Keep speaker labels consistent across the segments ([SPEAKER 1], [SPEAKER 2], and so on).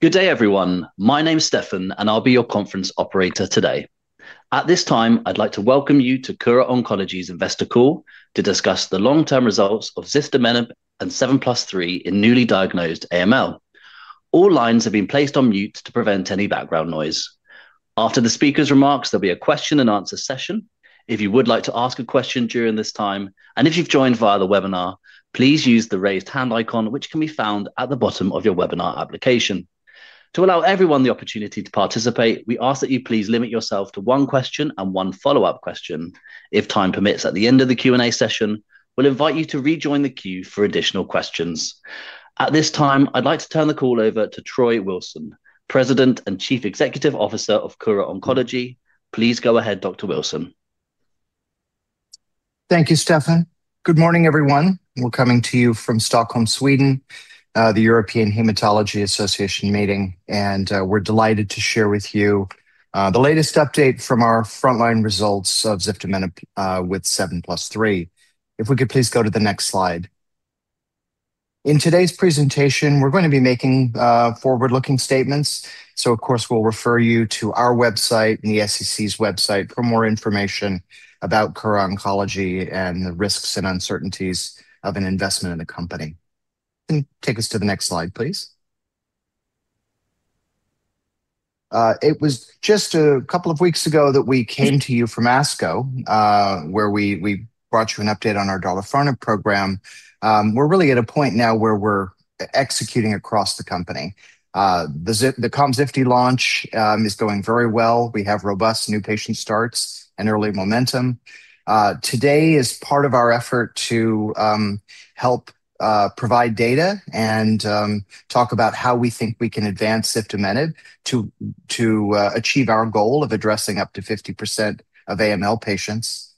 [SPEAKER 1] Good day, everyone. My name's Stefan, and I'll be your conference operator today. At this time, I'd like to welcome you to Kura Oncology's Investor Call to discuss the long-term results of ziftomenib and 7+3 in newly diagnosed AML. All lines have been placed on mute to prevent any background noise. After the speaker's remarks, there'll be a question and answer session. If you would like to ask a question during this time, if you've joined via the webinar, please use the raised hand icon, which can be found at the bottom of your webinar application. To allow everyone the opportunity to participate, we ask that you please limit yourself to one question and one follow-up question. If time permits, at the end of the Q&A session, we'll invite you to rejoin the queue for additional questions. At this time, I'd like to turn the call over to Troy Wilson, President and Chief Executive Officer of Kura Oncology. Please go ahead, Dr. Wilson.
[SPEAKER 2] Thank you, Stefan. Good morning, everyone. We're coming to you from Stockholm, Sweden, the European Hematology Association meeting, we're delighted to share with you the latest update from our frontline results of ziftomenib with 7+3. If we could please go to the next slide. In today's presentation, we're going to be making forward-looking statements, of course, we'll refer you to our website and the SEC's website for more information about Kura Oncology and the risks and uncertainties of an investment in the company. You can take us to the next slide, please. It was just a couple of weeks ago that we came to you from ASCO, where we brought you an update on our darlifarnib program. We're really at a point now where we're executing across the company. The KOMZIFTI launch is going very well. We have robust new patient starts and early momentum. Today is part of our effort to help provide data and talk about how we think we can advance ziftomenib to achieve our goal of addressing up to 50% of AML patients.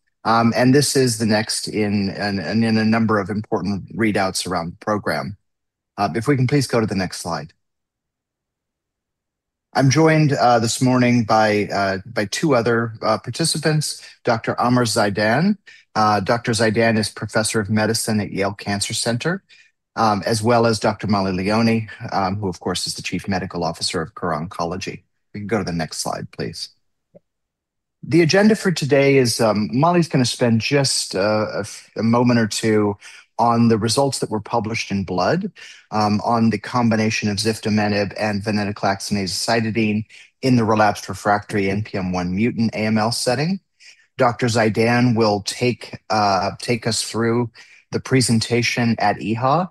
[SPEAKER 2] This is the next in a number of important readouts around the program. If we can please go to the next slide. I'm joined this morning by two other participants, Dr. Amer Zeidan. Dr. Zeidan is Professor of Medicine at Yale Cancer Center, as well as Dr. Mollie Leoni, who of course, is the Chief Medical Officer of Kura Oncology. We can go to the next slide, please. The agenda for today is Mollie's going to spend just a moment or two on the results that were published in *Blood* on the combination of ziftomenib and venetoclax and azacitidine in the relapsed refractory NPM1 mutant AML setting. Dr. Zeidan will take us through the presentation at EHA,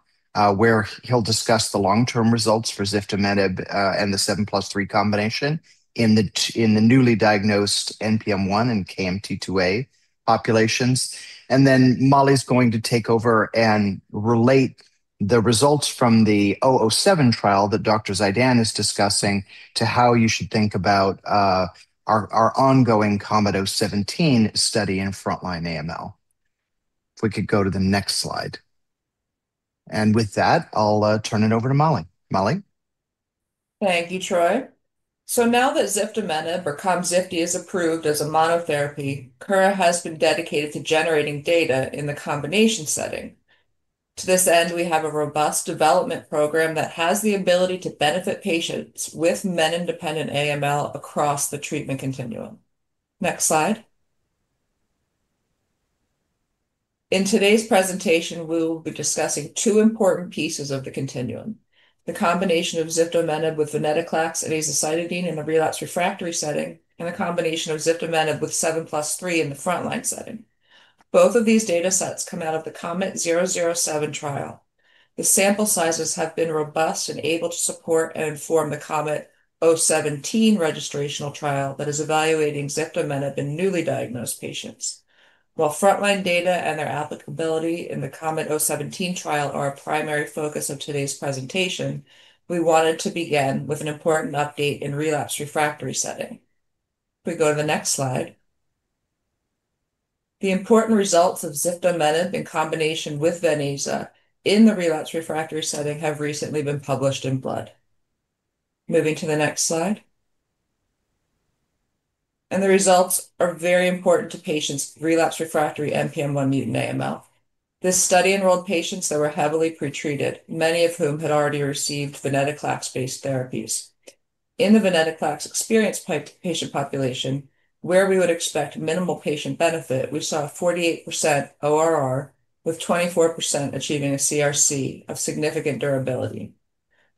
[SPEAKER 2] where he'll discuss the long-term results for ziftomenib and the 7+3 combination in the newly diagnosed NPM1 and KMT2A populations. Mollie's going to take over and relate the results from the 007 trial that Dr. Zeidan is discussing to how you should think about our ongoing KOMET-017 study in frontline AML. If we could go to the next slide. With that, I'll turn it over to Mollie. Mollie?
[SPEAKER 3] Thank you, Troy. Now that ziftomenib or KOMZIFTI is approved as a monotherapy, Kura has been dedicated to generating data in the combination setting. To this end, we have a robust development program that has the ability to benefit patients with menin-dependent AML across the treatment continuum. Next slide. In today's presentation, we will be discussing two important pieces of the continuum, the combination of ziftomenib with venetoclax and azacitidine in a relapsed refractory setting, and a combination of ziftomenib with 7+3 in the frontline setting. Both of these data sets come out of the KOMET-007 trial. The sample sizes have been robust and able to support and inform the KOMET-017 registrational trial that is evaluating ziftomenib in newly diagnosed patients. While frontline data and their applicability in the KOMET-017 trial are a primary focus of today's presentation, we wanted to begin with an important update in relapsed refractory setting. Can we go to the next slide? The important results of ziftomenib in combination with venaza in the relapsed refractory setting have recently been published in "Blood." Moving to the next slide. The results are very important to patients, relapsed refractory NPM1 mutant AML. This study enrolled patients that were heavily pretreated, many of whom had already received venetoclax-based therapies. In the venetoclax experienced patient population, where we would expect minimal patient benefit, we saw a 48% ORR, with 24% achieving a CRc of significant durability.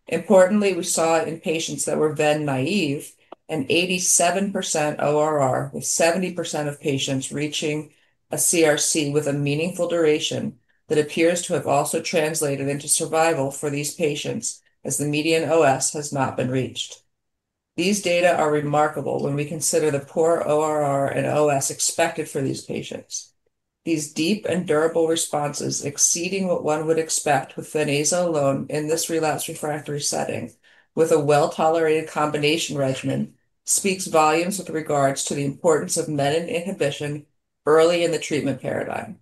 [SPEAKER 3] Importantly, we saw in patients that were ven-naïve an 87% ORR, with 70% of patients reaching a CRc with a meaningful duration that appears to have also translated into survival for these patients as the median OS has not been reached. These data are remarkable when we consider the poor ORR and OS expected for these patients. These deep and durable responses exceeding what one would expect with venaza alone in this relapsed refractory setting with a well-tolerated combination regimen speaks volumes with regards to the importance of menin inhibition early in the treatment paradigm.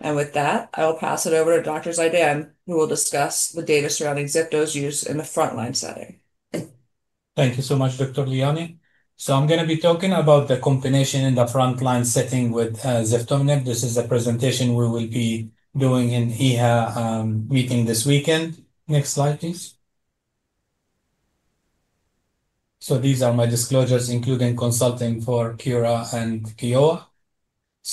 [SPEAKER 3] With that, I will pass it over to Dr. Zeidan, who will discuss the data surrounding zifto's use in the frontline setting.
[SPEAKER 4] Thank you so much, Dr. Leoni. I'm going to be talking about the combination in the frontline setting with ziftomenib. This is a presentation we will be doing in EHA meeting this weekend. Next slide, please. These are my disclosures, including consulting for Kura and Kyowa.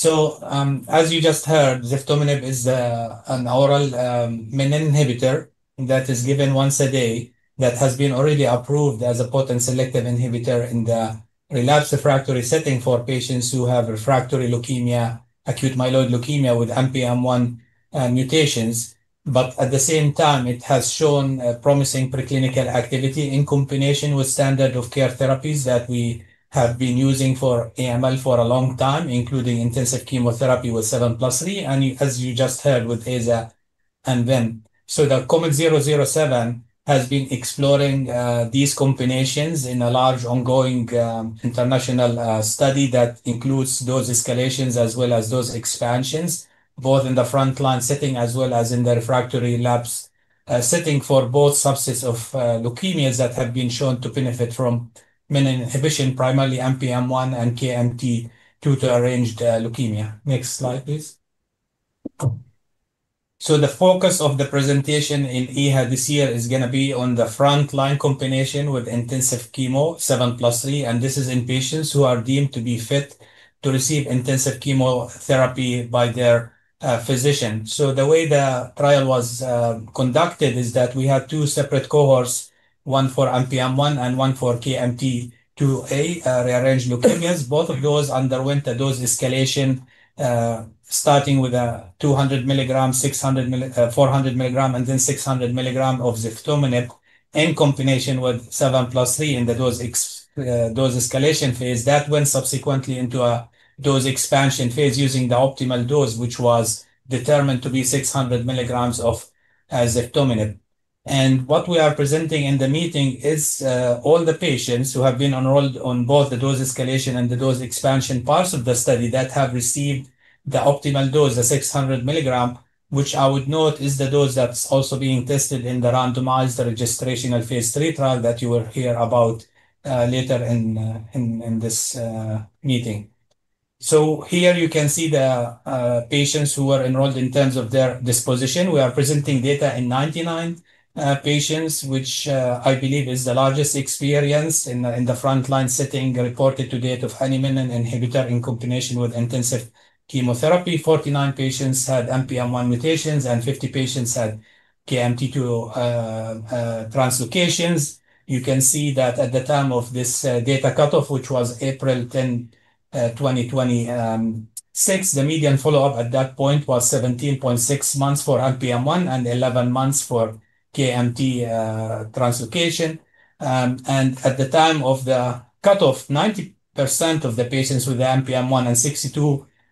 [SPEAKER 4] As you just heard, ziftomenib is an oral menin inhibitor that is given once a day that has been already approved as a potent selective inhibitor in the relapsed refractory setting for patients who have refractory leukemia, acute myeloid leukemia with NPM1 mutations. At the same time, it has shown promising preclinical activity in combination with standard of care therapies that we have been using for AML for a long time, including intensive chemotherapy with 7+3, and as you just heard, with AZA and VEN. The KOMET-007 has been exploring these combinations in a large ongoing international study that includes dose escalations as well as dose expansions, both in the frontline setting as well as in the refractory relapsed setting for both subsets of leukemias that have been shown to benefit from menin inhibition, primarily NPM1 and KMT2A-rearranged leukemia. Next slide, please. The focus of the presentation in EHA this year is going to be on the frontline combination with intensive chemo 7+3, and this is in patients who are deemed to be fit to receive intensive chemotherapy by their physician. The way the trial was conducted is that we had two separate cohorts, one for NPM1 and one for KMT2A-rearranged leukemias. Both of those underwent a dose escalation, starting with 200 mg, 400 mg and then 600 mg of ziftomenib in combination with 7+3 in the dose escalation phase. That went subsequently into a dose expansion phase using the optimal dose, which was determined to be 600 mg of ziftomenib. And what we are presenting in the meeting is all the patients who have been enrolled on both the dose escalation and the dose expansion parts of the study that have received the optimal dose of 600 mg, which I would note is the dose that's also being tested in the randomized registrational phase III trial that you will hear about later in this meeting. Here you can see the patients who were enrolled in terms of their disposition. We are presenting data in 99 patients, which I believe is the largest experience in the frontline setting reported to date of any menin inhibitor in combination with intensive chemotherapy. 49 patients had NPM1 mutations, and 50 patients had KMT2A translocations. You can see that at the time of this data cutoff, which was April 10, 2026, the median follow-up at that point was 17.6 months for NPM1 and 11 months for KMT2A translocation. At the time of the cutoff, 90% of the patients with the NPM1 and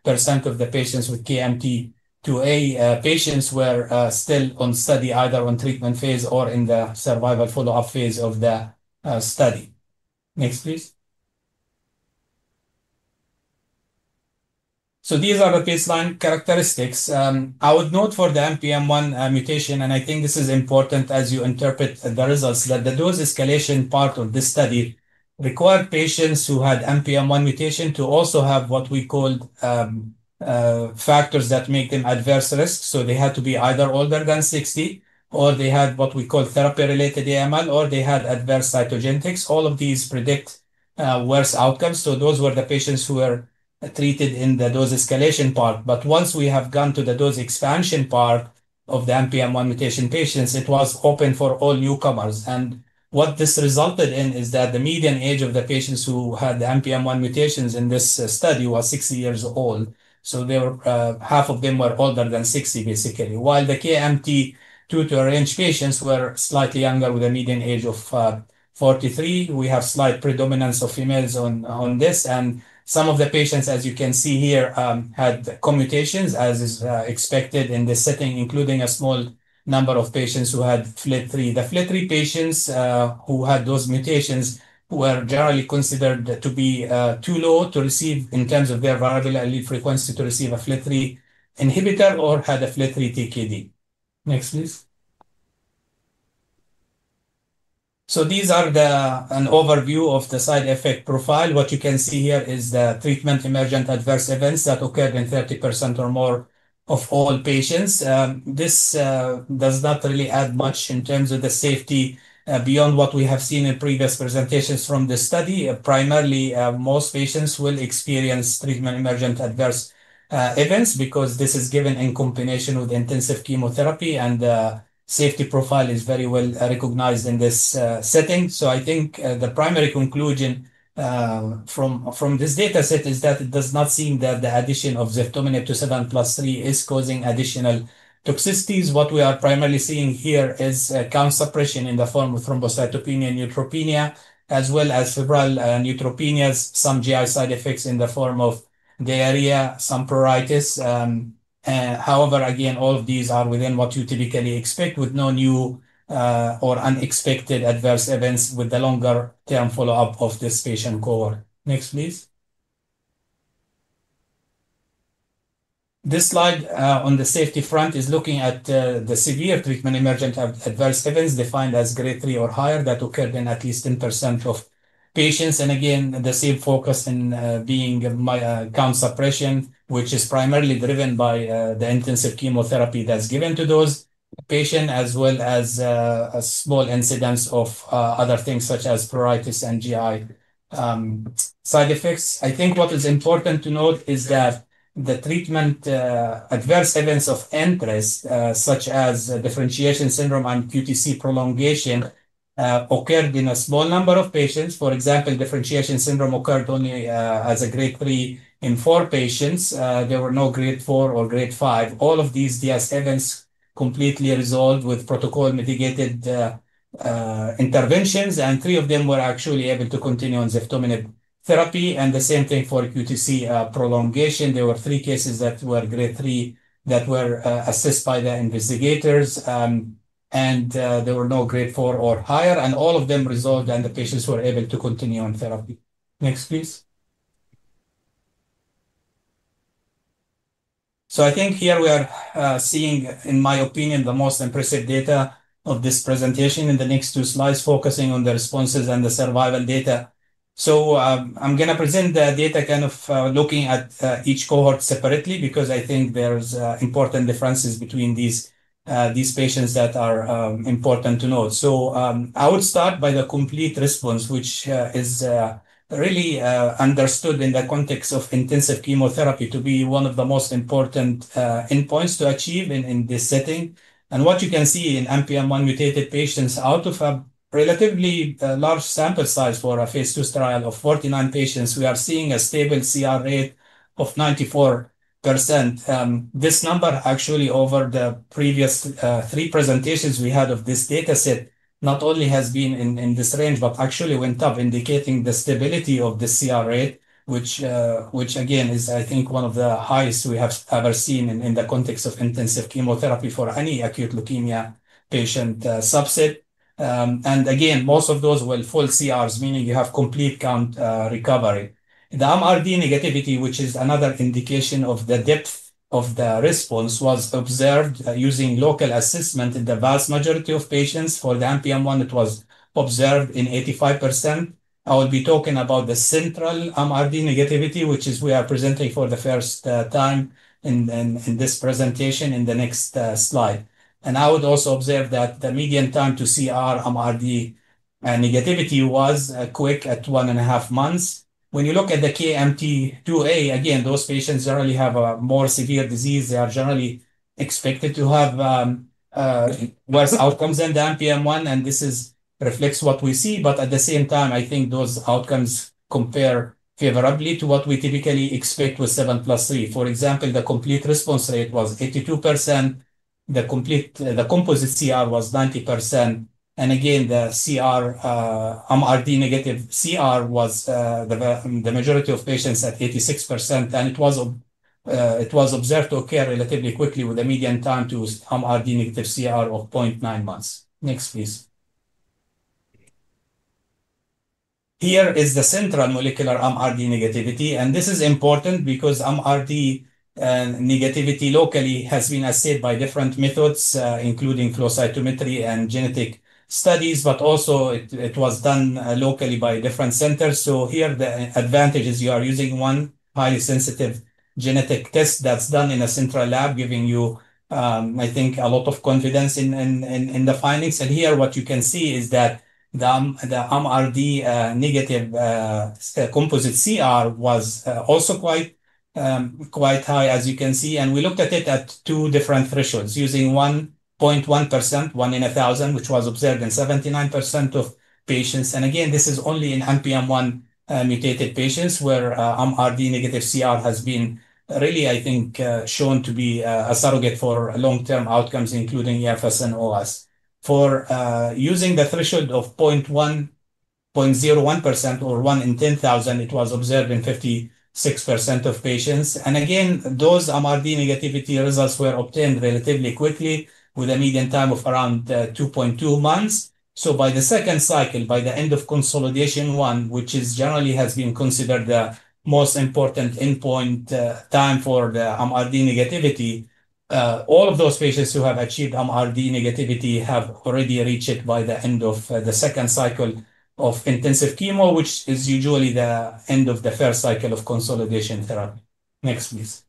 [SPEAKER 4] 62% of the patients with KMT2A, patients were still on study, either on treatment phase or in the survival follow-up phase of the study. Next, please. These are the baseline characteristics. I would note for the NPM1 mutation, I think this is important as you interpret the results, that the dose escalation part of this study required patients who had NPM1 mutation to also have what we called factors that make them adverse risk. They had to be either older than 60, or they had what we call therapy-related AML, or they had adverse cytogenetics. All of these predict worse outcomes. Those were the patients who were treated in the dose escalation part. Once we have gone to the dose expansion part of the NPM1 mutation patients, it was open for all newcomers. What this resulted in is that the median age of the patients who had the NPM1 mutations in this study was 60 years old. Half of them were older than 60, basically. While the KMT2A-rearranged patients were slightly younger with a median age of 43. We have slight predominance of females on this. Some of the patients, as you can see here, had co-mutations, as is expected in this setting, including a small number of patients who had FLT3. The FLT3 patients, who had those mutations, were generally considered to be too low to receive in terms of their variant allele frequency, to receive a FLT3 inhibitor or had a FLT3-TKD. Next, please. These are an overview of the side effect profile. What you can see here is the treatment emergent adverse events that occurred in 30% or more of all patients. This does not really add much in terms of the safety, beyond what we have seen in previous presentations from this study. Primarily, most patients will experience treatment emergent adverse events because this is given in combination with intensive chemotherapy, and the safety profile is very well recognized in this setting. I think the primary conclusion from this dataset is that it does not seem that the addition of ziftomenib to 7+3 is causing additional toxicities. What we are primarily seeing here is count suppression in the form of thrombocytopenia, neutropenia, as well as febrile neutropenias, some GI side effects in the form of diarrhea, some pruritus. However, again, all of these are within what you typically expect with no new or unexpected adverse events with the longer-term follow-up of this patient cohort. Next, please. This slide, on the safety front, is looking at the severe treatment emergent adverse events defined as Grade 3 or higher that occurred in at least 10% of patients. Again, the same focus in being count suppression, which is primarily driven by the intensive chemotherapy that's given to those patients, as well as a small incidence of other things such as pruritus and GI side effects. What is important to note is that the treatment adverse events of interest, such as differentiation syndrome and QTc prolongation, occurred in a small number of patients. For example, differentiation syndrome occurred only as a Grade 3 in four patients. There were no Grade 4 or Grade 5. All of these DS events completely resolved with protocol mitigated interventions, and three of them were actually able to continue on ziftomenib therapy. The same thing for QTc prolongation. There were three cases that were Grade 3 that were assessed by the investigators, and there were no Grade 4 or higher, and all of them resolved, and the patients were able to continue on therapy. Next, please. I think here we are seeing, in my opinion, the most impressive data of this presentation in the next two slides, focusing on the responses and the survival data. I'm going to present the data, kind of, looking at each cohort separately because I think there's important differences between these patients that are important to note. I would start by the complete response, which is really understood in the context of intensive chemotherapy to be one of the most important endpoints to achieve in this setting. What you can see in NPM1 mutated patients, out of a relatively large sample size for a phase II trial of 49 patients, we are seeing a stable CR rate of 94%. This number actually, over the previous three presentations we had of this dataset, not only has been in this range, but actually went up, indicating the stability of the CR rate, which again is, I think, one of the highest we have ever seen in the context of intensive chemotherapy for any acute leukemia patient subset. Again, most of those were full CRs, meaning you have complete count recovery. The MRD negativity, which is another indication of the depth of the response, was observed using local assessment in the vast majority of patients. For the NPM1, it was observed in 85%. I will be talking about the central MRD negativity, which is we are presenting for the first time in this presentation in the next slide. I would also observe that the median time to CR MRD negativity was quick at one and a half months. When you look at the KMT2A, again, those patients generally have a more severe disease. They are generally expected to have worse outcomes than the NPM1, and this reflects what we see. At the same time, I think those outcomes compare favorably to what we typically expect with 7+3. For example, the complete response rate was 82%, the composite CR was 90%, again, the CR MRD negative CR was the majority of patients at 86%, and it was observed to occur relatively quickly with a median time to MRD negative CR of 0.9 months. Next, please. Here is the central molecular MRD negativity, this is important because MRD negativity locally has been assessed by different methods, including flow cytometry and genetic studies, but also it was done locally by different centers. Here the advantage is you are using one highly sensitive genetic test that's done in a central lab, giving you, I think, a lot of confidence in the findings. Here what you can see is that the MRD negative composite CR was also quite high, as you can see, and we looked at it at two different thresholds using 1.1%, one in a thousand, which was observed in 79% of patients. Again, this is only in NPM1-mutated patients where MRD negative CR has been really, I think, shown to be a surrogate for long-term outcomes, including EFS and OS. For using the threshold of 0.01%, or one in 10,000, it was observed in 56% of patients. Again, those MRD negativity results were obtained relatively quickly with a median time of around 2.2 months. By the second cycle, by the end of consolidation one, which generally has been considered the most important endpoint time for the MRD negativity, all of those patients who have achieved MRD negativity have already reached it by the end of the second cycle of intensive chemo, which is usually the end of the first cycle of consolidation therapy. Next, please.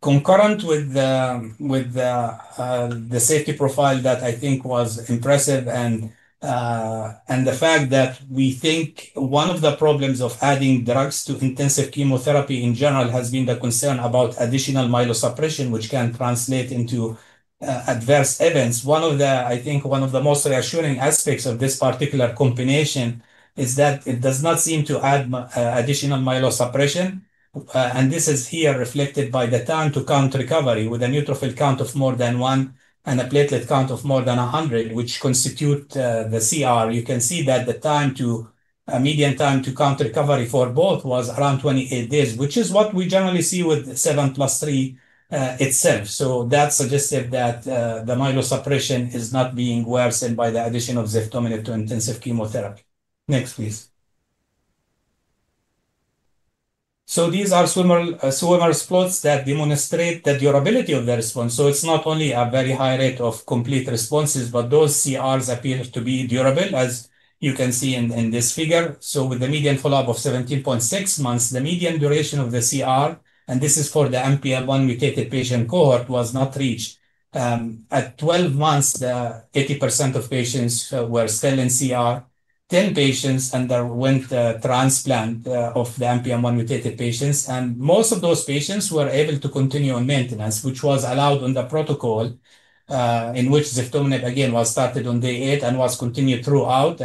[SPEAKER 4] Concurrent with the safety profile that I think was impressive and the fact that we think one of the problems of adding drugs to intensive chemotherapy in general has been the concern about additional myelosuppression, which can translate into adverse events. I think one of the most reassuring aspects of this particular combination is that it does not seem to add additional myelosuppression. This is here reflected by the time to count recovery with a neutrophil count of more than one and a platelet count of more than 100, which constitute the CR. You can see that the median time to count recovery for both was around 28 days, which is what we generally see with 7+3 itself. That suggested that the myelosuppression is not being worsened by the addition of ziftomenib to intensive chemotherapy. Next, please. These are swimmer plots that demonstrate the durability of the response. It's not only a very high rate of complete responses, but those CRs appear to be durable, as you can see in this figure. With the median follow-up of 17.6 months, the median duration of the CR, and this is for the NPM1 mutated patient cohort, was not reached. At 12 months, 80% of patients were still in CR. Ten patients underwent a transplant of the NPM1 mutated patients, and most of those patients were able to continue on maintenance, which was allowed on the protocol, in which ziftomenib, again, was started on day eight and was continued throughout.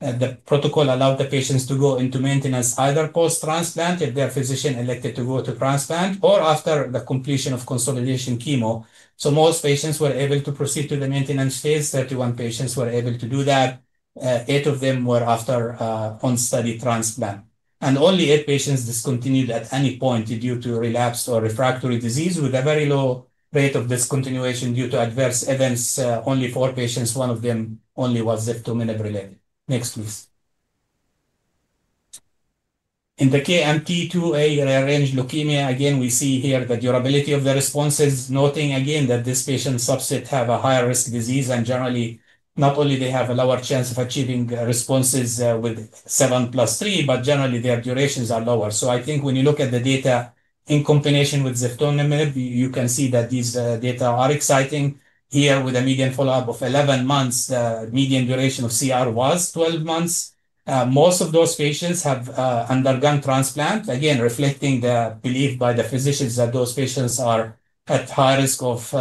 [SPEAKER 4] The protocol allowed the patients to go into maintenance either post-transplant, if their physician elected to go to transplant, or after the completion of consolidation chemo. Most patients were able to proceed to the maintenance phase. 31 patients were able to do that. Eight of them were after on-study transplant. Only eight patients discontinued at any point due to relapsed or refractory disease, with a very low rate of discontinuation due to adverse events, only four patients, one of them only was ziftomenib-related. Next, please. In the KMT2A-rearranged leukemia, again, we see here the durability of the responses, noting again that this patient subset have a higher risk disease and generally, not only they have a lower chance of achieving responses with 7+3, but generally their durations are lower. I think when you look at the data in combination with ziftomenib, you can see that these data are exciting. Here, with a median follow-up of 11 months, the median duration of CR was 12 months. Most of those patients have undergone transplant, again, reflecting the belief by the physicians that those patients are at high risk of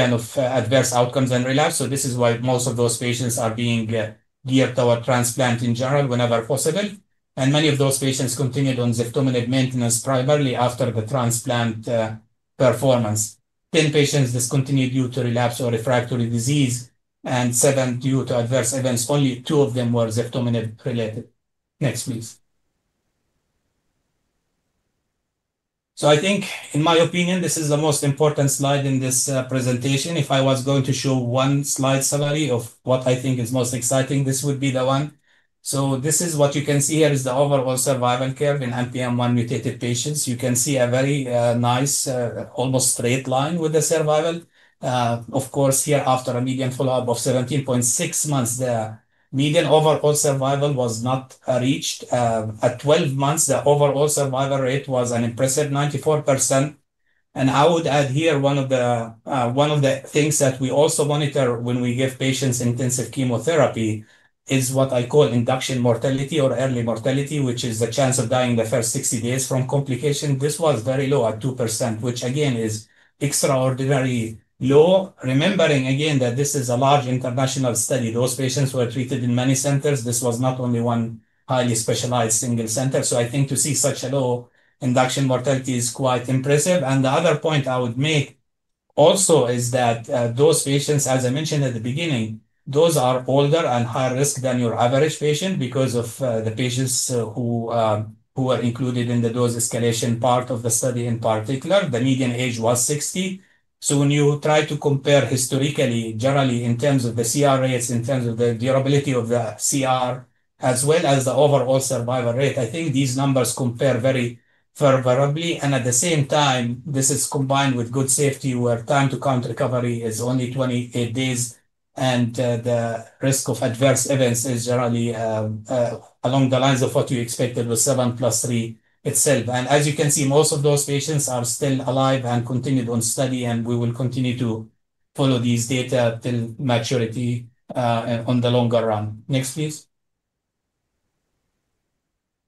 [SPEAKER 4] adverse outcomes and relapse. This is why most of those patients are being geared toward transplant in general, whenever possible. Many of those patients continued on ziftomenib maintenance primarily after the transplant performance. 10 patients discontinued due to relapse or refractory disease and seven due to adverse events. Only two of them were ziftomenib-related. Next, please. I think, in my opinion, this is the most important slide in this presentation. If I was going to show one slide summary of what I think is most exciting, this would be the one. This is what you can see here is the overall survival curve in NPM1-mutated patients. You can see a very nice, almost straight line with the survival. Of course, here, after a median follow-up of 17.6 months, the median overall survival was not reached. At 12 months, the overall survival rate was an impressive 94%. I would add here, one of the things that we also monitor when we give patients intensive chemotherapy is what I call induction mortality or early mortality, which is the chance of dying the first 60 days from complication. This was very low at 2%, which again, is extraordinarily low. Remembering again that this is a large international study. Those patients were treated in many centers. This was not only one highly specialized single center. I think to see such a low induction mortality is quite impressive. The other point I would make also is that those patients, as I mentioned at the beginning, those are older and higher risk than your average patient because of the patients who are included in the dose escalation part of the study, in particular, the median age was 60. When you try to compare historically, generally, in terms of the CR rates, in terms of the durability of the CR, as well as the overall survival rate, I think these numbers compare very favorably. At the same time, this is combined with good safety, where time to count recovery is only 28 days, and the risk of adverse events is generally along the lines of what you expected with 7+3 itself. As you can see, most of those patients are still alive and continued on study, and we will continue to follow these data till maturity, on the longer run. Next, please.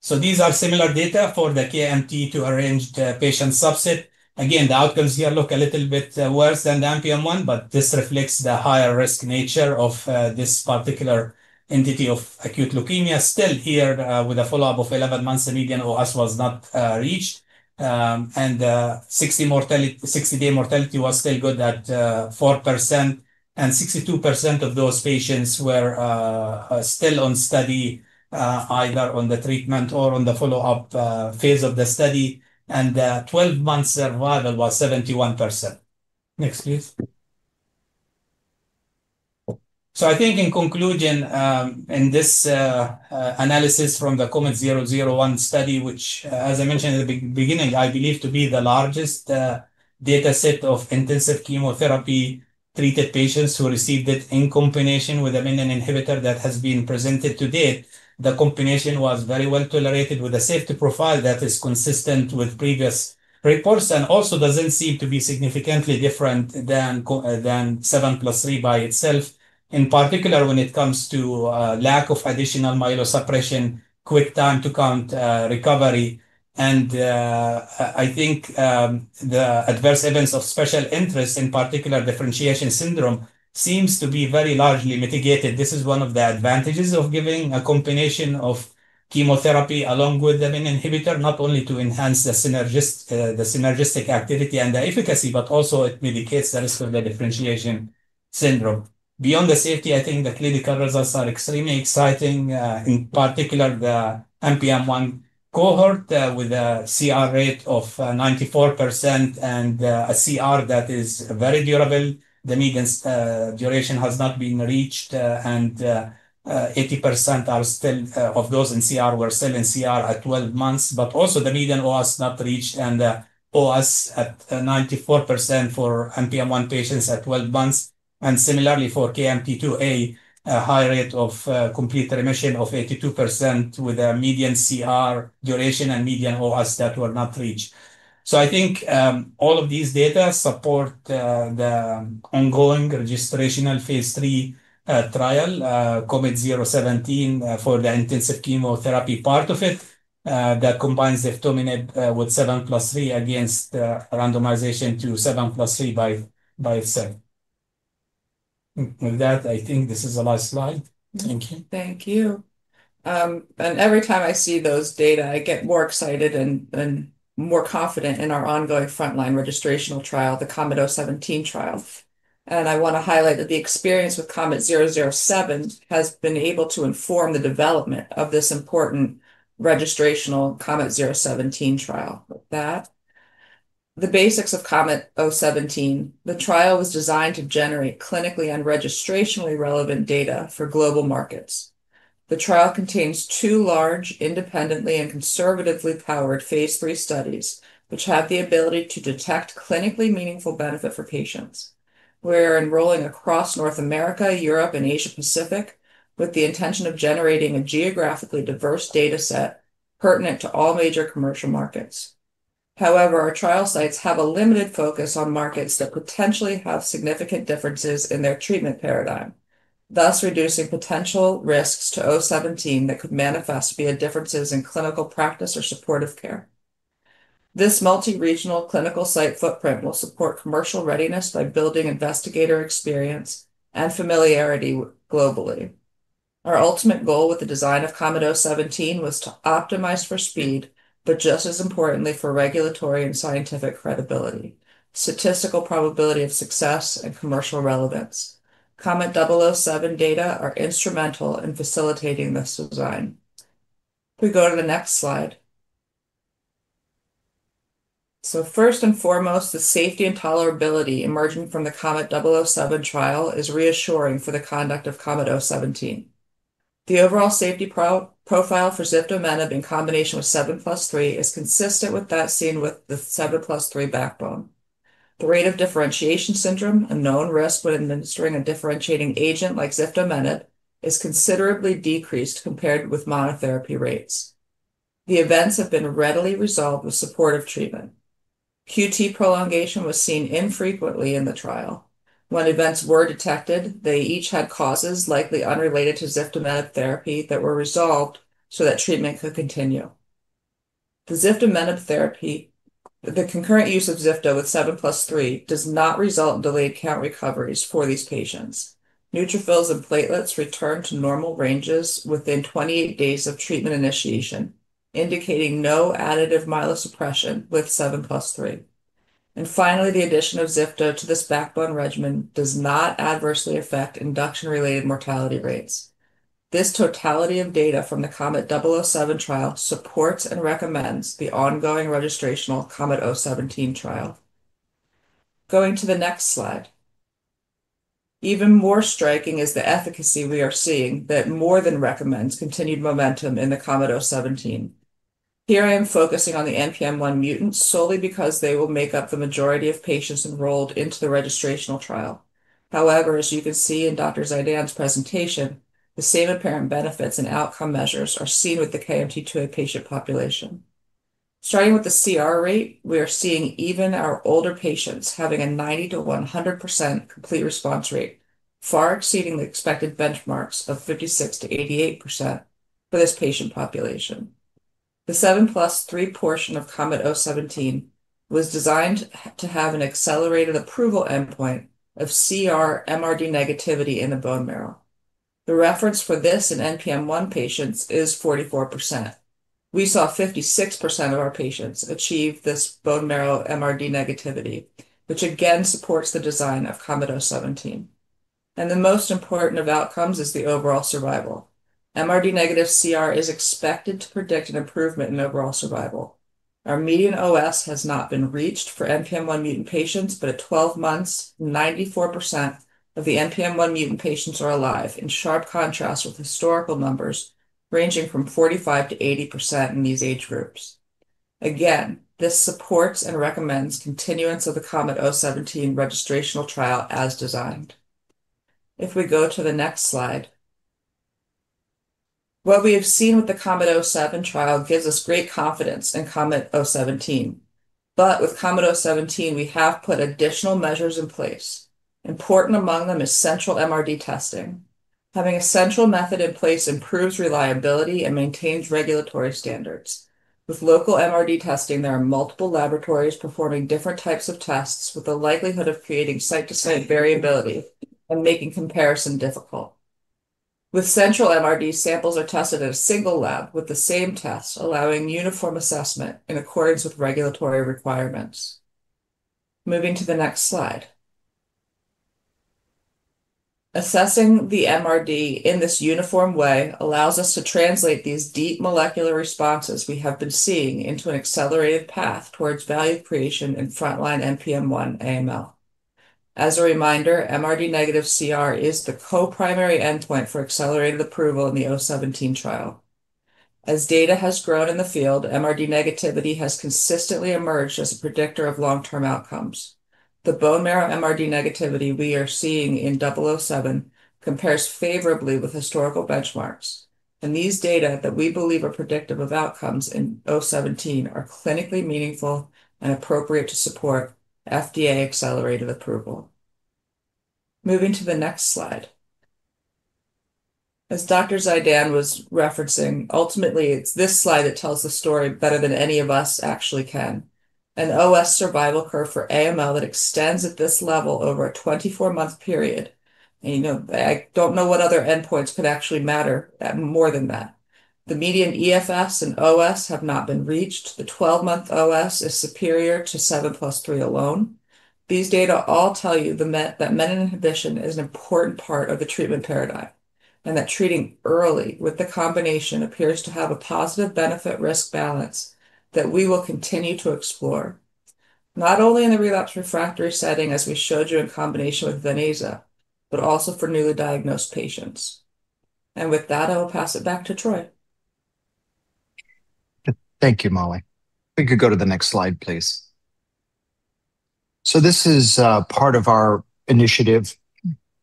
[SPEAKER 4] These are similar data for the KMT2A-rearranged patient subset. Again, the outcomes here look a little bit worse than the NPM1, but this reflects the higher risk nature of this particular entity of acute leukemia. Still here, with a follow-up of 11 months, the median OS was not reached. 60-day mortality was still good at 4%, and 62% of those patients were still on study, either on the treatment or on the follow-up phase of the study. The 12-month survival was 71%. Next, please. I think in conclusion, in this analysis from the KOMET-001 study, which, as I mentioned at the beginning, I believe to be the largest data set of intensive chemotherapy-treated patients who received it in combination with a menin inhibitor that has been presented to date. The combination was very well-tolerated with a safety profile that is consistent with previous reports and also doesn't seem to be significantly different than 7+3 by itself. In particular, when it comes to lack of additional myelosuppression, quick time to count recovery, and I think the adverse events of special interest, in particular differentiation syndrome, seems to be very largely mitigated. This is one of the advantages of giving a combination of chemotherapy along with the menin inhibitor, not only to enhance the synergistic activity and the efficacy, but also it mitigates the risk of the differentiation syndrome. Beyond the safety, I think the clinical results are extremely exciting, in particular the NPM1 cohort with a CR rate of 94% and a CR that is very durable. The median duration has not been reached, and 80% of those in CR were still in CR at 12 months. The median OS not reached, and OS at 94% for NPM1 patients at 12 months. Similarly for KMT2A, a high rate of complete remission of 82% with a median CR duration and median OS that were not reached. I think all of these data support the ongoing registrational phase III trial, KOMET-017, for the intensive chemotherapy part of it, that combines ziftomenib with 7+3 against the randomization to 7+3 by itself. With that, I think this is the last slide. Thank you.
[SPEAKER 3] Thank you. Every time I see those data, I get more excited and more confident in our ongoing frontline registrational trial, the KOMET-017 trial. I want to highlight that the experience with KOMET-007 has been able to inform the development of this important registrational KOMET-017 trial. With that, the basics of KOMET-017. The trial was designed to generate clinically and registrationally relevant data for global markets. The trial contains two large, independently, and conservatively powered phase III studies, which have the ability to detect clinically meaningful benefit for patients. We're enrolling across North America, Europe, and Asia Pacific with the intention of generating a geographically diverse data set pertinent to all major commercial markets. However, our trial sites have a limited focus on markets that potentially have significant differences in their treatment paradigm, thus reducing potential risks to KOMET-017 that could manifest via differences in clinical practice or supportive care. This multi-regional clinical site footprint will support commercial readiness by building investigator experience and familiarity globally. Our ultimate goal with the design of KOMET-017 was to optimize for speed, just as importantly, for regulatory and scientific credibility, statistical probability of success, and commercial relevance. KOMET-007 data are instrumental in facilitating this design. If we go to the next slide. First and foremost, the safety and tolerability emerging from the KOMET-007 trial is reassuring for the conduct of KOMET-017. The overall safety profile for ziftomenib in combination with 7+3 is consistent with that seen with the 7+3 backbone. The rate of differentiation syndrome, a known risk when administering a differentiating agent like ziftomenib, is considerably decreased compared with monotherapy rates. The events have been readily resolved with supportive treatment. QT prolongation was seen infrequently in the trial. When events were detected, they each had causes likely unrelated to ziftomenib therapy that were resolved so that treatment could continue. The concurrent use of zifto with 7+3 does not result in delayed count recoveries for these patients. Neutrophils and platelets return to normal ranges within 28 days of treatment initiation, indicating no additive myelosuppression with 7+3. Finally, the addition of zifto to this backbone regimen does not adversely affect induction-related mortality rates. This totality of data from the KOMET-007 trial supports and recommends the ongoing registrational KOMET-017 trial. Going to the next slide. Even more striking is the efficacy we are seeing that more than recommends continued momentum in the KOMET-017. Here I am focusing on the NPM1 mutants solely because they will make up the majority of patients enrolled into the registrational trial. However, as you can see in Dr. Zeidan's presentation, the same apparent benefits and outcome measures are seen with the KMT2A patient population. Starting with the CR rate, we are seeing even our older patients having a 90%-100% complete response rate, far exceeding the expected benchmarks of 56%-88% for this patient population. The 7+3 portion of KOMET-017 was designed to have an accelerated approval endpoint of CR MRD negativity in the bone marrow. The reference for this in NPM1 patients is 44%. We saw 56% of our patients achieve this bone marrow MRD negativity, which again supports the design of KOMET-017. The most important of outcomes is the overall survival. MRD negative CR is expected to predict an improvement in overall survival. Our median OS has not been reached for NPM1 mutant patients, but at 12 months, 94% of the NPM1 mutant patients are alive, in sharp contrast with historical numbers ranging from 45%-80% in these age groups. Again, this supports and recommends continuance of the KOMET-017 registrational trial as designed. If we go to the next slide. What we have seen with the KOMET-007 trial gives us great confidence in KOMET-017. With KOMET-017, we have put additional measures in place. Important among them is central MRD testing. Having a central method in place improves reliability and maintains regulatory standards. With local MRD testing, there are multiple laboratories performing different types of tests with the likelihood of creating site-to-site variability and making comparison difficult. With central MRD, samples are tested at a single lab with the same test, allowing uniform assessment in accordance with regulatory requirements. Moving to the next slide. Assessing the MRD in this uniform way allows us to translate these deep molecular responses we have been seeing into an accelerated path towards value creation in frontline NPM1 AML. As a reminder, MRD negative CR is the co-primary endpoint for accelerated approval in the KOMET-017 trial. As data has grown in the field, MRD negativity has consistently emerged as a predictor of long-term outcomes. The bone marrow MRD negativity we are seeing in 007 compares favorably with historical benchmarks. These data that we believe are predictive of outcomes in O17 are clinically meaningful and appropriate to support FDA accelerated approval. Moving to the next slide. As Dr. Zeidan was referencing, ultimately, it's this slide that tells the story better than any of us actually can. An OS survival curve for AML that extends at this level over a 24-month period. I don't know what other endpoints could actually matter more than that. The median EFS and OS have not been reached. The 12-month OS is superior to 7+3 alone. These data all tell you that menin inhibition is an important part of the treatment paradigm, and that treating early with the combination appears to have a positive benefit/risk balance that we will continue to explore, not only in the relapsed refractory setting, as we showed you in combination with venetoclax, but also for newly diagnosed patients. With that, I will pass it back to Troy.
[SPEAKER 2] Thank you, Mollie. If we could go to the next slide, please. This is part of our initiative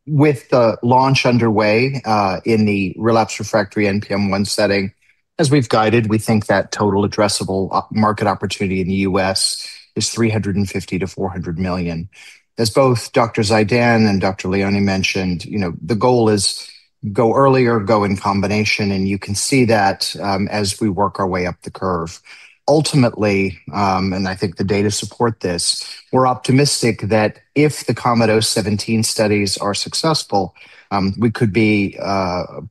[SPEAKER 2] with the launch underway, in the relapsed refractory NPM1 setting. As we've guided, we think that total addressable market opportunity in the U.S. is $350 million-$400 million. As both Dr. Zeidan and Dr. Leoni mentioned, the goal is go earlier, go in combination. You can see that as we work our way up the curve. Ultimately, I think the data support this, we're optimistic that if the KOMET-017 studies are successful, we could be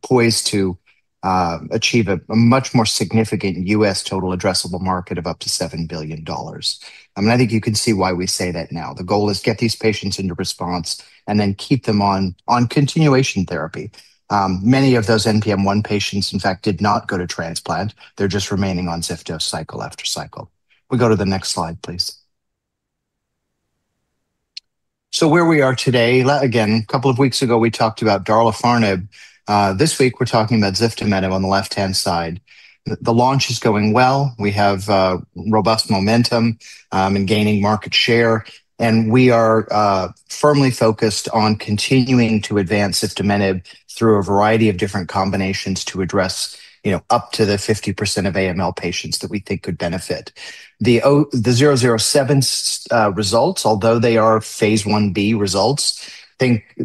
[SPEAKER 2] poised to achieve a much more significant U.S. total addressable market of up to $7 billion. I think you can see why we say that now. The goal is to get these patients into response and then keep them on continuation therapy. Many of those NPM1 patients, in fact, did not go to transplant. They're just remaining on ziftomenib cycle after cycle. We go to the next slide, please. Where we are today. Again, a couple of weeks ago, we talked about darlifarnib. This week we're talking about ziftomenib on the left-hand side. The launch is going well. We have robust momentum, gaining market share. We are firmly focused on continuing to advance ziftomenib through a variety of different combinations to address up to the 50% of AML patients that we think could benefit. The 007 results, although they are phase I-B results,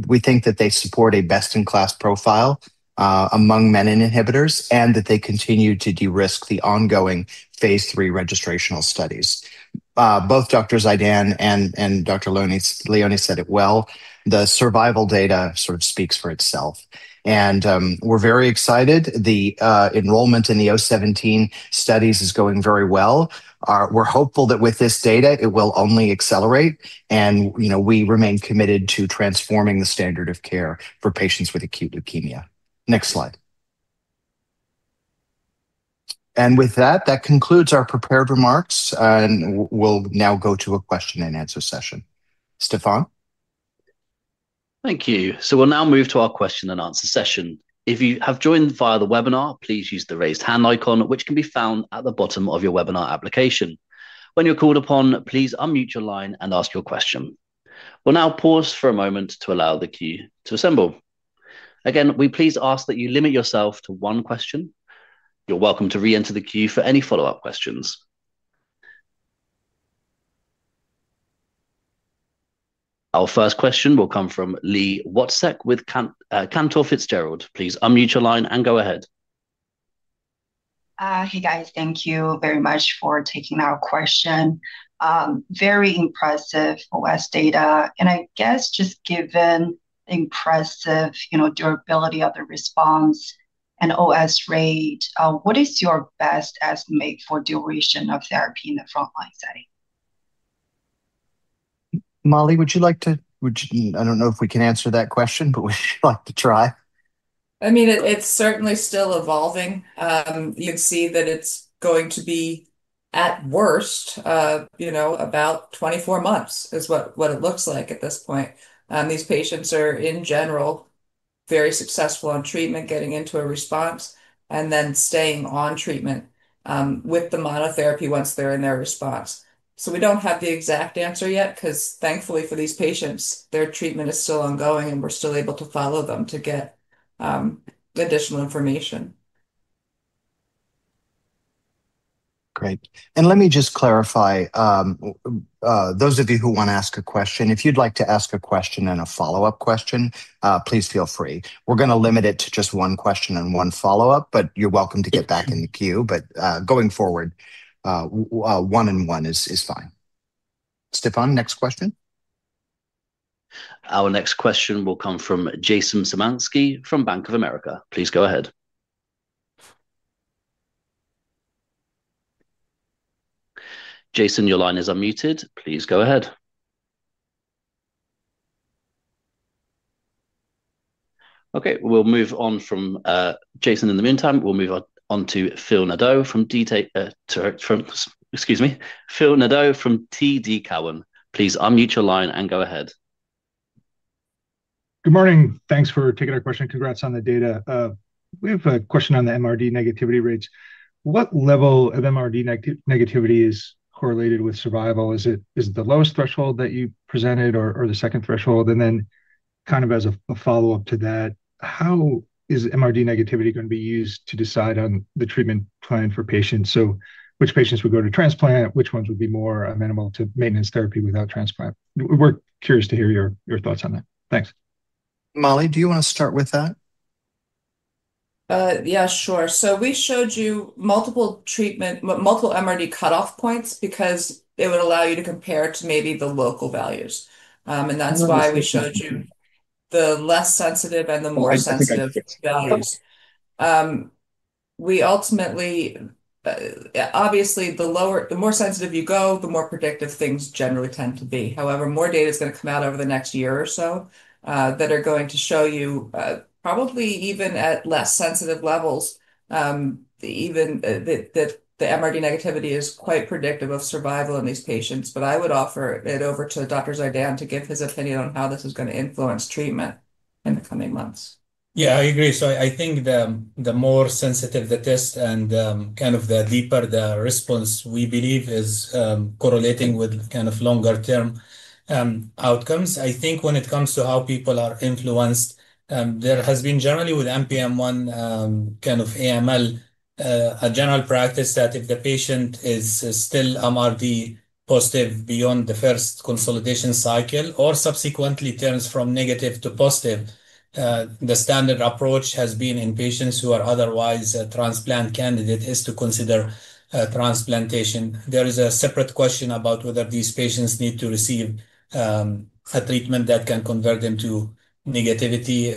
[SPEAKER 2] we think that they support a best-in-class profile among menin inhibitors and that they continue to de-risk the ongoing phase III registrational studies. Both Dr. Zeidan and Dr. Leoni said it well. The survival data sort of speaks for itself. We're very excited. The enrollment in the O17 studies is going very well. We're hopeful that with this data, it will only accelerate and we remain committed to transforming the standard of care for patients with acute leukemia. Next slide. With that concludes our prepared remarks, and we'll now go to a question and answer session. Stefan?
[SPEAKER 1] Thank you. We'll now move to our question and answer session. If you have joined via the webinar, please use the raise hand icon, which can be found at the bottom of your webinar application. When you're called upon, please unmute your line and ask your question. We'll now pause for a moment to allow the queue to assemble. Again, we please ask that you limit yourself to one question. You're welcome to reenter the queue for any follow-up questions. Our first question will come from Li Watsek with Cantor Fitzgerald. Please unmute your line and go ahead.
[SPEAKER 5] Hey, guys. Thank you very much for taking our question. Very impressive OS data. I guess just given impressive durability of the response and OS rate, what is your best estimate for duration of therapy in the frontline setting?
[SPEAKER 2] Mollie, would you like to I don't know if we can answer that question, but would you like to try?
[SPEAKER 3] It's certainly still evolving. You can see that it's going to be, at worst, about 24 months, is what it looks like at this point. These patients are, in general, very successful on treatment, getting into a response, and then staying on treatment, with the monotherapy once they're in their response. We don't have the exact answer yet because thankfully for these patients, their treatment is still ongoing and we're still able to follow them to get additional information.
[SPEAKER 2] Great. Let me just clarify. Those of you who want to ask a question, if you'd like to ask a question and a follow-up question, please feel free. We're going to limit it to just one question and one follow-up, but you're welcome to get back in the queue. Going forward, one and one is fine. Stefan, next question.
[SPEAKER 1] Our next question will come from Jason Zemansky from Bank of America. Please go ahead. Jason, your line is unmuted. Please go ahead. Okay, we'll move on from Jason in the meantime, we'll move on to Phil Nadeau from TD Cowen. Please unmute your line and go ahead.
[SPEAKER 6] Good morning. Thanks for taking our question. Congrats on the data. We have a question on the MRD negativity rates. What level of MRD negativity is correlated with survival? Is it the lowest threshold that you presented or the second threshold? Then kind of as a follow-up to that, how is MRD negativity going to be used to decide on the treatment plan for patients? Which patients would go to transplant, which ones would be more minimal to maintenance therapy without transplant? We're curious to hear your thoughts on that. Thanks.
[SPEAKER 2] Mollie, do you want to start with that?
[SPEAKER 3] Yeah, sure. We showed you multiple MRD cutoff points because it would allow you to compare to maybe the local values, and that's why we showed you the less sensitive and the more sensitive values. Obviously, the more sensitive you go, the more predictive things generally tend to be. However, more data is going to come out over the next year or so that are going to show you, probably even at less sensitive levels, that the MRD negativity is quite predictive of survival in these patients. I would offer it over to Dr. Zeidan to give his opinion on how this is going to influence treatment in the coming months.
[SPEAKER 4] Yeah, I agree. I think the more sensitive the test and the deeper the response, we believe is correlating with longer-term outcomes. I think when it comes to how people are influenced, there has been generally with NPM1 kind of AML, a general practice that if the patient is still MRD positive beyond the first consolidation cycle or subsequently turns from negative to positive, the standard approach has been in patients who are otherwise a transplant candidate is to consider transplantation. There is a separate question about whether these patients need to receive a treatment that can convert them to negativity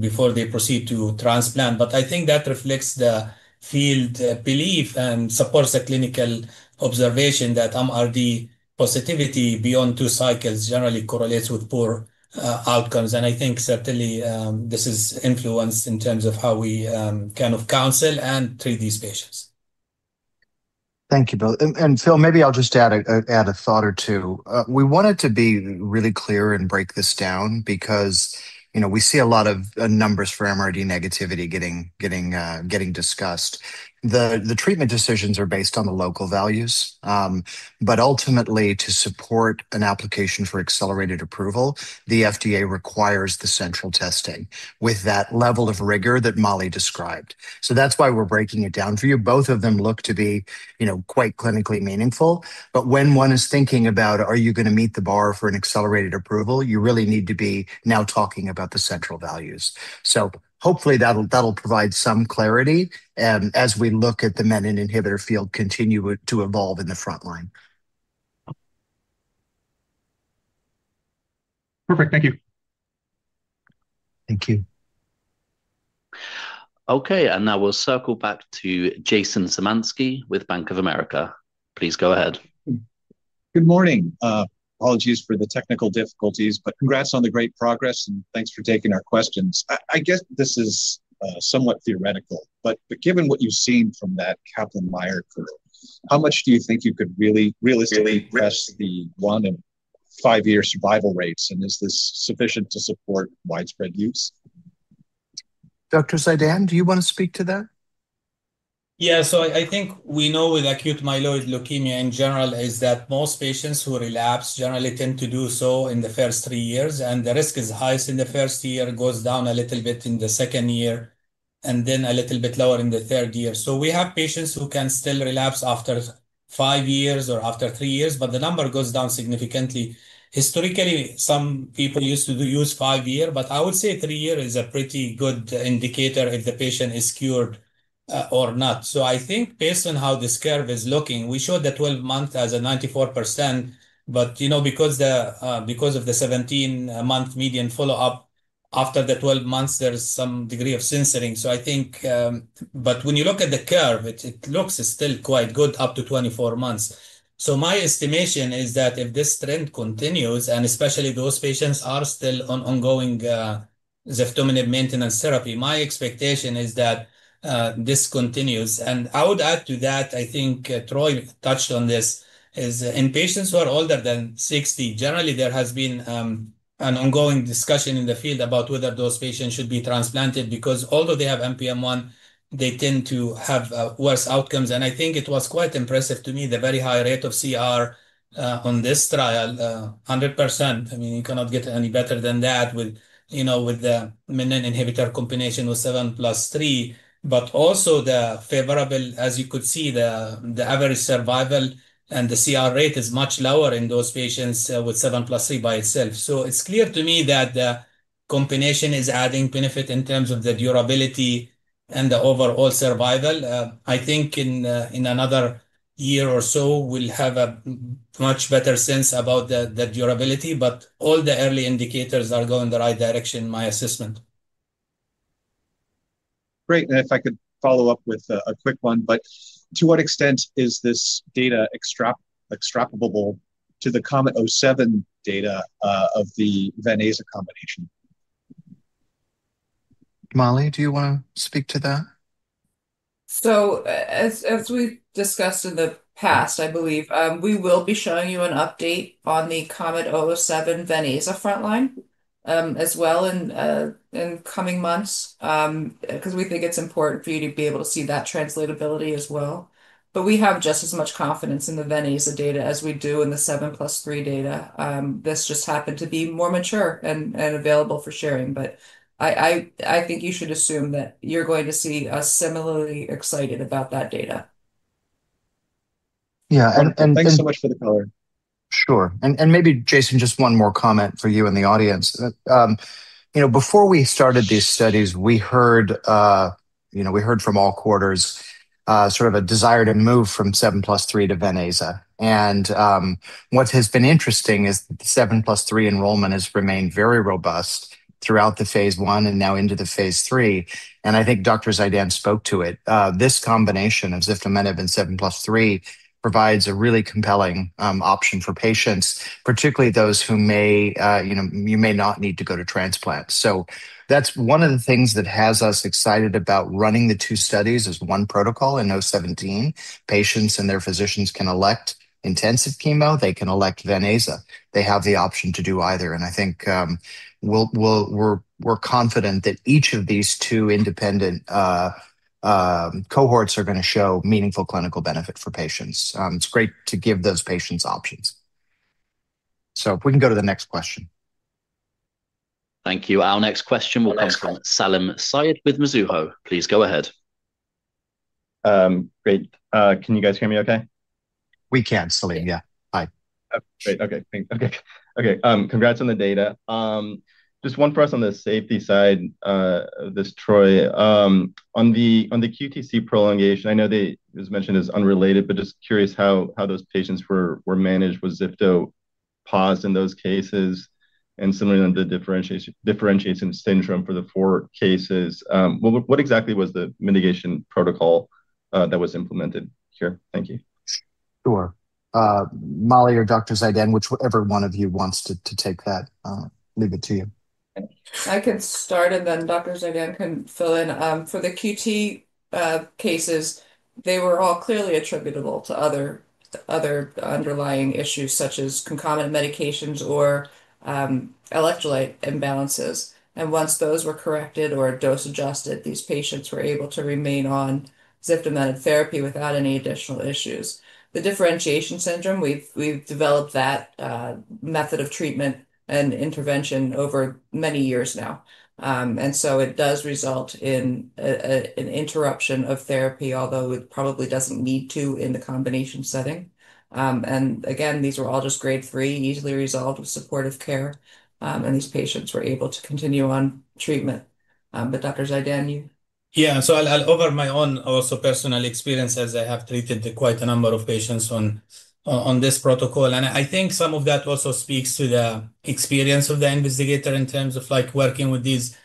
[SPEAKER 4] before they proceed to transplant. I think that reflects the field belief and supports the clinical observation that MRD positivity beyond two cycles generally correlates with poor outcomes. I think certainly, this is influenced in terms of how we kind of counsel and treat these patients.
[SPEAKER 2] Thank you, Phil. Phil, maybe I'll just add a thought or two. We wanted to be really clear and break this down because we see a lot of numbers for MRD negativity getting discussed. The treatment decisions are based on the local values, but ultimately, to support an application for accelerated approval, the FDA requires the central testing with that level of rigor that Mollie described. That's why we're breaking it down for you. Both of them look to be quite clinically meaningful. When one is thinking about are you going to meet the bar for an accelerated approval, you really need to be now talking about the central values. Hopefully that'll provide some clarity as we look at the menin inhibitor field continue to evolve in the front line.
[SPEAKER 6] Perfect. Thank you.
[SPEAKER 2] Thank you.
[SPEAKER 1] Okay, now we'll circle back to Jason Zemansky with Bank of America. Please go ahead.
[SPEAKER 7] Good morning. Apologies for the technical difficulties. Congrats on the great progress. Thanks for taking our questions. I guess this is somewhat theoretical. Given what you've seen from that Kaplan-Meier curve, how much do you think you could really realistically press the one and five-year survival rates? Is this sufficient to support widespread use?
[SPEAKER 2] Dr. Zeidan, do you want to speak to that?
[SPEAKER 4] Yeah. I think we know with acute myeloid leukemia in general is that most patients who relapse generally tend to do so in the first three years, the risk is highest in the first year, it goes down a little bit in the second year, a little bit lower in the third year. We have patients who can still relapse after five years or after three years, the number goes down significantly. Historically, some people used to use five year, I would say three year is a pretty good indicator if the patient is cured or not. I think based on how this curve is looking, we showed the 12-month as a 94%, because of the 17-month median follow-up, after the 12 months, there is some degree of censoring. When you look at the curve, it looks still quite good up to 24 months. My estimation is that if this trend continues, especially those patients are still on ongoing ziftomenib maintenance therapy, my expectation is that this continues. I would add to that, I think Troy touched on this, is in patients who are older than 60, generally, there has been an ongoing discussion in the field about whether those patients should be transplanted, because although they have NPM1, they tend to have worse outcomes, I think it was quite impressive to me the very high rate of CR on this trial, 100%. I mean, you cannot get any better than that with the menin inhibitor combination with 7+3, also the favorable, as you could see, the average survival and the CR rate is much lower in those patients with 7+3 by itself. It's clear to me that Combination is adding benefit in terms of the durability and the overall survival. I think in another year or so, we'll have a much better sense about the durability, all the early indicators are going the right direction, in my assessment.
[SPEAKER 7] Great. If I could follow up with a quick one, to what extent is this data extrapolatable to the KOMET-007 data, of the venetoclax combination?
[SPEAKER 2] Mollie, do you want to speak to that?
[SPEAKER 3] As we've discussed in the past, I believe, we will be showing you an update on the KOMET-007 venetoclax frontline, as well in coming months, because we think it's important for you to be able to see that translatability as well. We have just as much confidence in the venetoclax data as we do in the 7+3 data. This just happened to be more mature and available for sharing. I think you should assume that you're going to see us similarly excited about that data.
[SPEAKER 2] Yeah.
[SPEAKER 7] Thanks so much for the color.
[SPEAKER 2] Sure. Maybe Jason, just one more comment for you and the audience. Before we started these studies, we heard from all quarters, sort of a desire to move from 7+3 to ven/aza. What has been interesting is 7+3 enrollment has remained very robust throughout the phase I and now into the phase III. I think Dr. Zeidan spoke to it. This combination of ziftomenib and 7+3 provides a really compelling option for patients, particularly those who may not need to go to transplant. That's one of the things that has us excited about running the two studies as one protocol in 017. Patients and their physicians can elect intensive chemo, they can elect ven/aza. They have the option to do either. I think, we're confident that each of these two independent cohorts are going to show meaningful clinical benefit for patients. It's great to give those patients options. If we can go to the next question.
[SPEAKER 1] Thank you. Our next question will come from Salim Syed with Mizuho. Please go ahead.
[SPEAKER 8] Great. Can you guys hear me okay?
[SPEAKER 2] We can, Salim. Yeah. Hi.
[SPEAKER 8] Great. Okay, thanks. Okay. Congrats on the data. Just one for us on the safety side of this, Troy, on the QTc prolongation, I know that it was mentioned as unrelated, but just curious how those patients were managed with Zifto paused in those cases, and similarly on the differentiating syndrome for the four cases. What exactly was the mitigation protocol that was implemented here? Thank you.
[SPEAKER 2] Sure. Mollie or Dr. Zeidan, whichever one of you wants to take that, leave it to you.
[SPEAKER 3] I can start, Dr. Zeidan can fill in. For the QTc cases, they were all clearly attributable to other underlying issues, such as concomitant medications or electrolyte imbalances. Once those were corrected or dose adjusted, these patients were able to remain on ziftomenib therapy without any additional issues. The differentiation syndrome, we've developed that method of treatment and intervention over many years now. It does result in an interruption of therapy, although it probably doesn't need to in the combination setting. Again, these were all just Grade 3, easily resolved with supportive care, and these patients were able to continue on treatment. Dr. Zeidan, you
[SPEAKER 4] Yeah. I'll offer my own also personal experience, as I have treated quite a number of patients on this protocol. I think some of that also speaks to the experience of the investigator in terms of working with these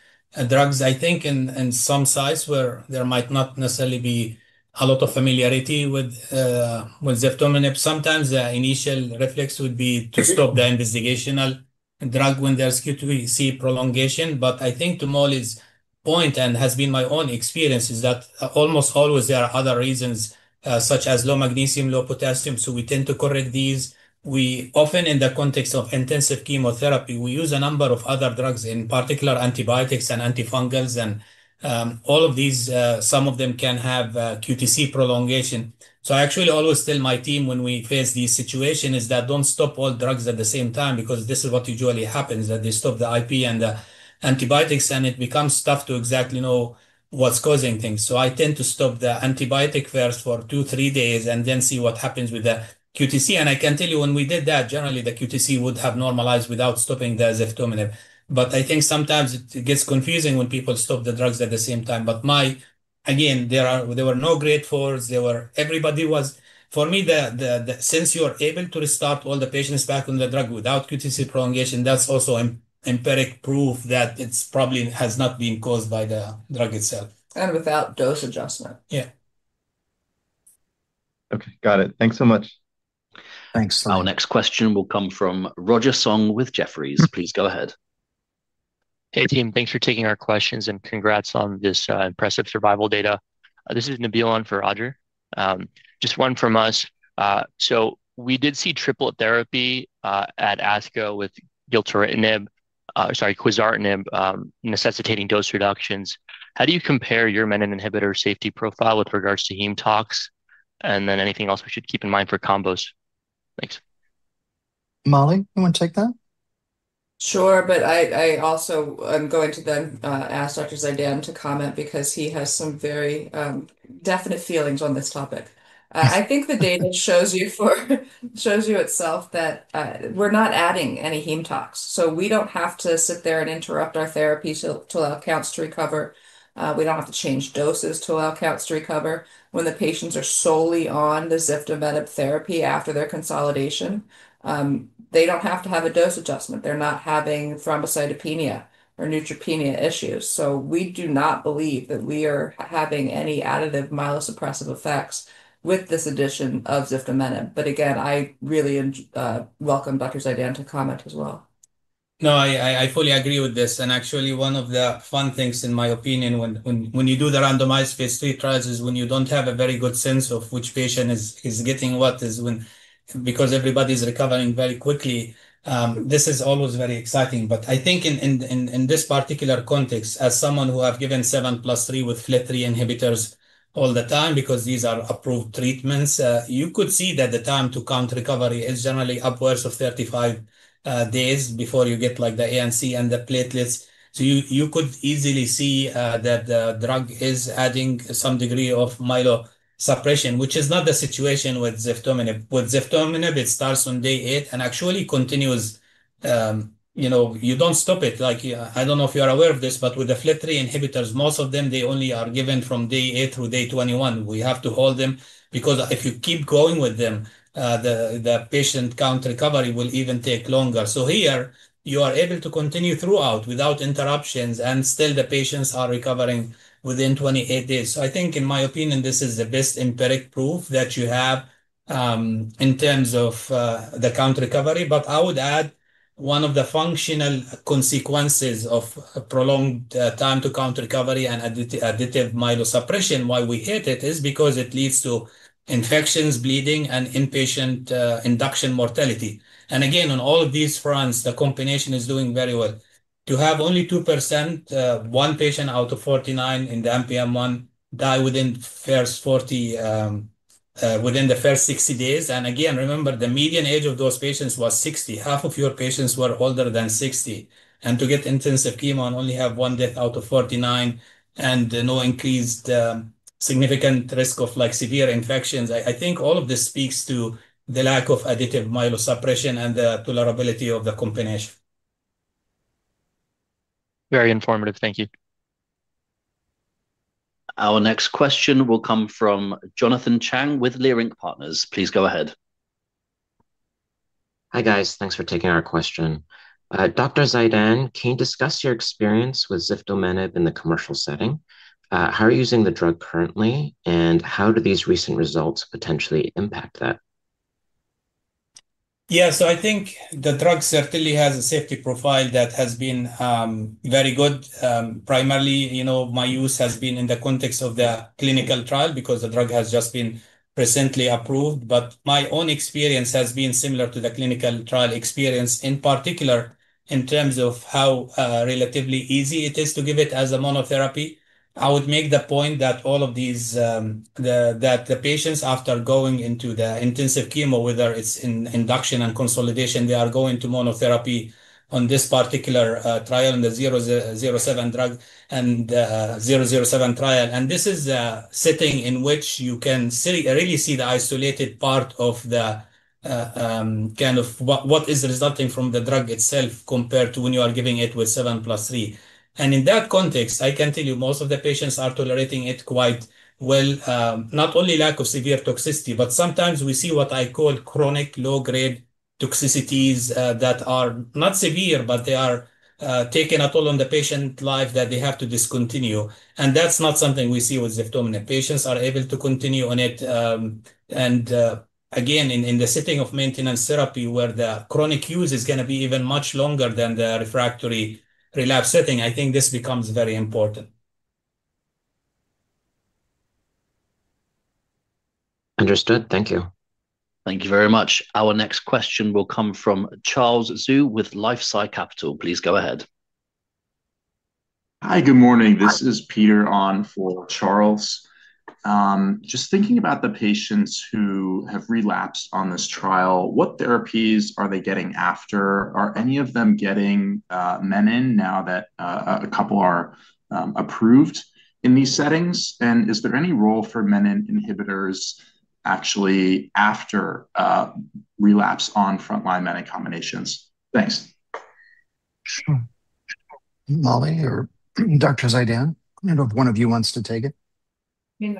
[SPEAKER 4] drugs. I think in some sites where there might not necessarily be a lot of familiarity with ziftomenib, sometimes the initial reflex would be to stop the investigational drug when they see QTc prolongation. I think to Mollie's point, and has been my own experience, is that almost always there are other reasons, such as low magnesium, low potassium, we tend to correct these. We often, in the context of intensive chemotherapy, we use a number of other drugs, in particular antibiotics and antifungals and all of these, some of them can have QTc prolongation. I actually always tell my team when we face this situation is that don't stop all drugs at the same time, because this is what usually happens, that they stop the IP and the antibiotics, it becomes tough to exactly know what's causing things. I tend to stop the antibiotic first for two, three days and then see what happens with the QTc. I can tell you when we did that, generally the QTc would have normalized without stopping the ziftomenib. I think sometimes it gets confusing when people stop the drugs at the same time. Again, there were no Grade 4s. For me, since you are able to restart all the patients back on the drug without QTc prolongation, that's also empiric proof that it probably has not been caused by the drug itself.
[SPEAKER 3] Without dose adjustment.
[SPEAKER 4] Yeah.
[SPEAKER 8] Okay. Got it. Thanks so much.
[SPEAKER 2] Thanks.
[SPEAKER 1] Our next question will come from Roger Song with Jefferies. Please go ahead.
[SPEAKER 9] Hey, team. Thanks for taking our questions. Congrats on this impressive survival data. This is Nabeel on for Roger. Just one from us. We did see triplet therapy, at ASCO with gilteritinib, sorry, Quizartinib, necessitating dose reductions. How do you compare your menin inhibitor safety profile with regards to heme tox? Anything else we should keep in mind for combos? Thanks
[SPEAKER 2] Mollie, you want to take that?
[SPEAKER 3] Sure, I also am going to ask Dr. Zeidan to comment because he has some very definite feelings on this topic. I think the data shows you itself that we're not adding any hem tox. We don't have to sit there and interrupt our therapy to allow counts to recover. We don't have to change doses to allow counts to recover. When the patients are solely on the ziftomenib therapy after their consolidation, they don't have to have a dose adjustment. They're not having thrombocytopenia or neutropenia issues. We do not believe that we are having any additive myelosuppressive effects with this addition of ziftomenib. Again, I really welcome Dr. Zeidan to comment as well.
[SPEAKER 4] No, I fully agree with this. Actually, one of the fun things, in my opinion, when you do the randomized phase III trials is when you don't have a very good sense of which patient is getting what, because everybody's recovering very quickly. This is always very exciting. I think in this particular context, as someone who has given 7+3 with FLT3 inhibitors all the time, because these are approved treatments, you could see that the time to count recovery is generally upwards of 35 days before you get the ANC and the platelets. You could easily see that the drug is adding some degree of myelosuppression, which is not the situation with ziftomenib. With ziftomenib, it starts on day eight and actually continues. You don't stop it. I don't know if you are aware of this, but with the FLT3 inhibitors, most of them, they only are given from day eight through day 21. We have to hold them, because if you keep going with them, the patient count recovery will even take longer. Here, you are able to continue throughout without interruptions, and still the patients are recovering within 28 days. I think in my opinion, this is the best empiric proof that you have, in terms of the count recovery. I would add one of the functional consequences of prolonged time to count recovery and additive myelosuppression, why we hate it, is because it leads to infections, bleeding, and inpatient induction mortality. Again, on all of these fronts, the combination is doing very well. To have only 2%, one patient out of 49 in the NPM1 die within the first 60 days. Again, remember, the median age of those patients was 60. Half of your patients were older than 60. To get intensive chemo and only have one death out of 49 and no increased significant risk of severe infections, I think all of this speaks to the lack of additive myelosuppression and the tolerability of the combination.
[SPEAKER 9] Very informative. Thank you.
[SPEAKER 1] Our next question will come from Jonathan Chang with Leerink Partners. Please go ahead.
[SPEAKER 10] Hi, guys. Thanks for taking our question. Dr. Zeidan, can you discuss your experience with ziftomenib in the commercial setting? How are you using the drug currently, and how do these recent results potentially impact that?
[SPEAKER 4] Yeah. I think the drug certainly has a safety profile that has been very good. Primarily, my use has been in the context of the clinical trial because the drug has just been recently approved, but my own experience has been similar to the clinical trial experience, in particular, in terms of how relatively easy it is to give it as a monotherapy. I would make the point that the patients, after going into the intensive chemo, whether it's in induction and consolidation, they are going to monotherapy on this particular trial in the KOMET-007 trial. This is a setting in which you can really see the isolated part of what is resulting from the drug itself, compared to when you are giving it with 7+3. In that context, I can tell you most of the patients are tolerating it quite well. Not only lack of severe toxicity, but sometimes we see what I call chronic low-grade toxicities that are not severe, but they are taking a toll on the patient life that they have to discontinue. That's not something we see with ziftomenib. Patients are able to continue on it. Again, in the setting of maintenance therapy, where the chronic use is going to be even much longer than the refractory relapse setting, I think this becomes very important.
[SPEAKER 10] Understood. Thank you.
[SPEAKER 1] Thank you very much. Our next question will come from Charles Zhu with LifeSci Capital. Please go ahead.
[SPEAKER 11] Hi, good morning. This is Peter on for Charles. Thinking about the patients who have relapsed on this trial, what therapies are they getting after? Are any of them getting menin now that a couple are approved in these settings? Is there any role for menin inhibitors actually after relapse on frontline menin combinations? Thanks.
[SPEAKER 2] Mollie or Dr. Zeidan. I don't know if one of you wants to take it.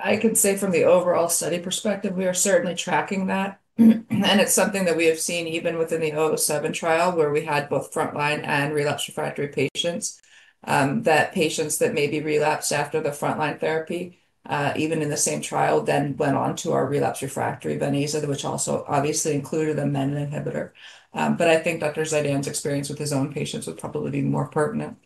[SPEAKER 3] I can say from the overall study perspective, we are certainly tracking that. It's something that we have seen even within the KOMET-007 trial, where we had both frontline and relapse refractory patients. That patients that maybe relapsed after the frontline therapy, even in the same trial, then went on to our relapse refractory venetoclax, which also obviously included a menin inhibitor. I think Dr. Zeidan's experience with his own patients would probably be more pertinent.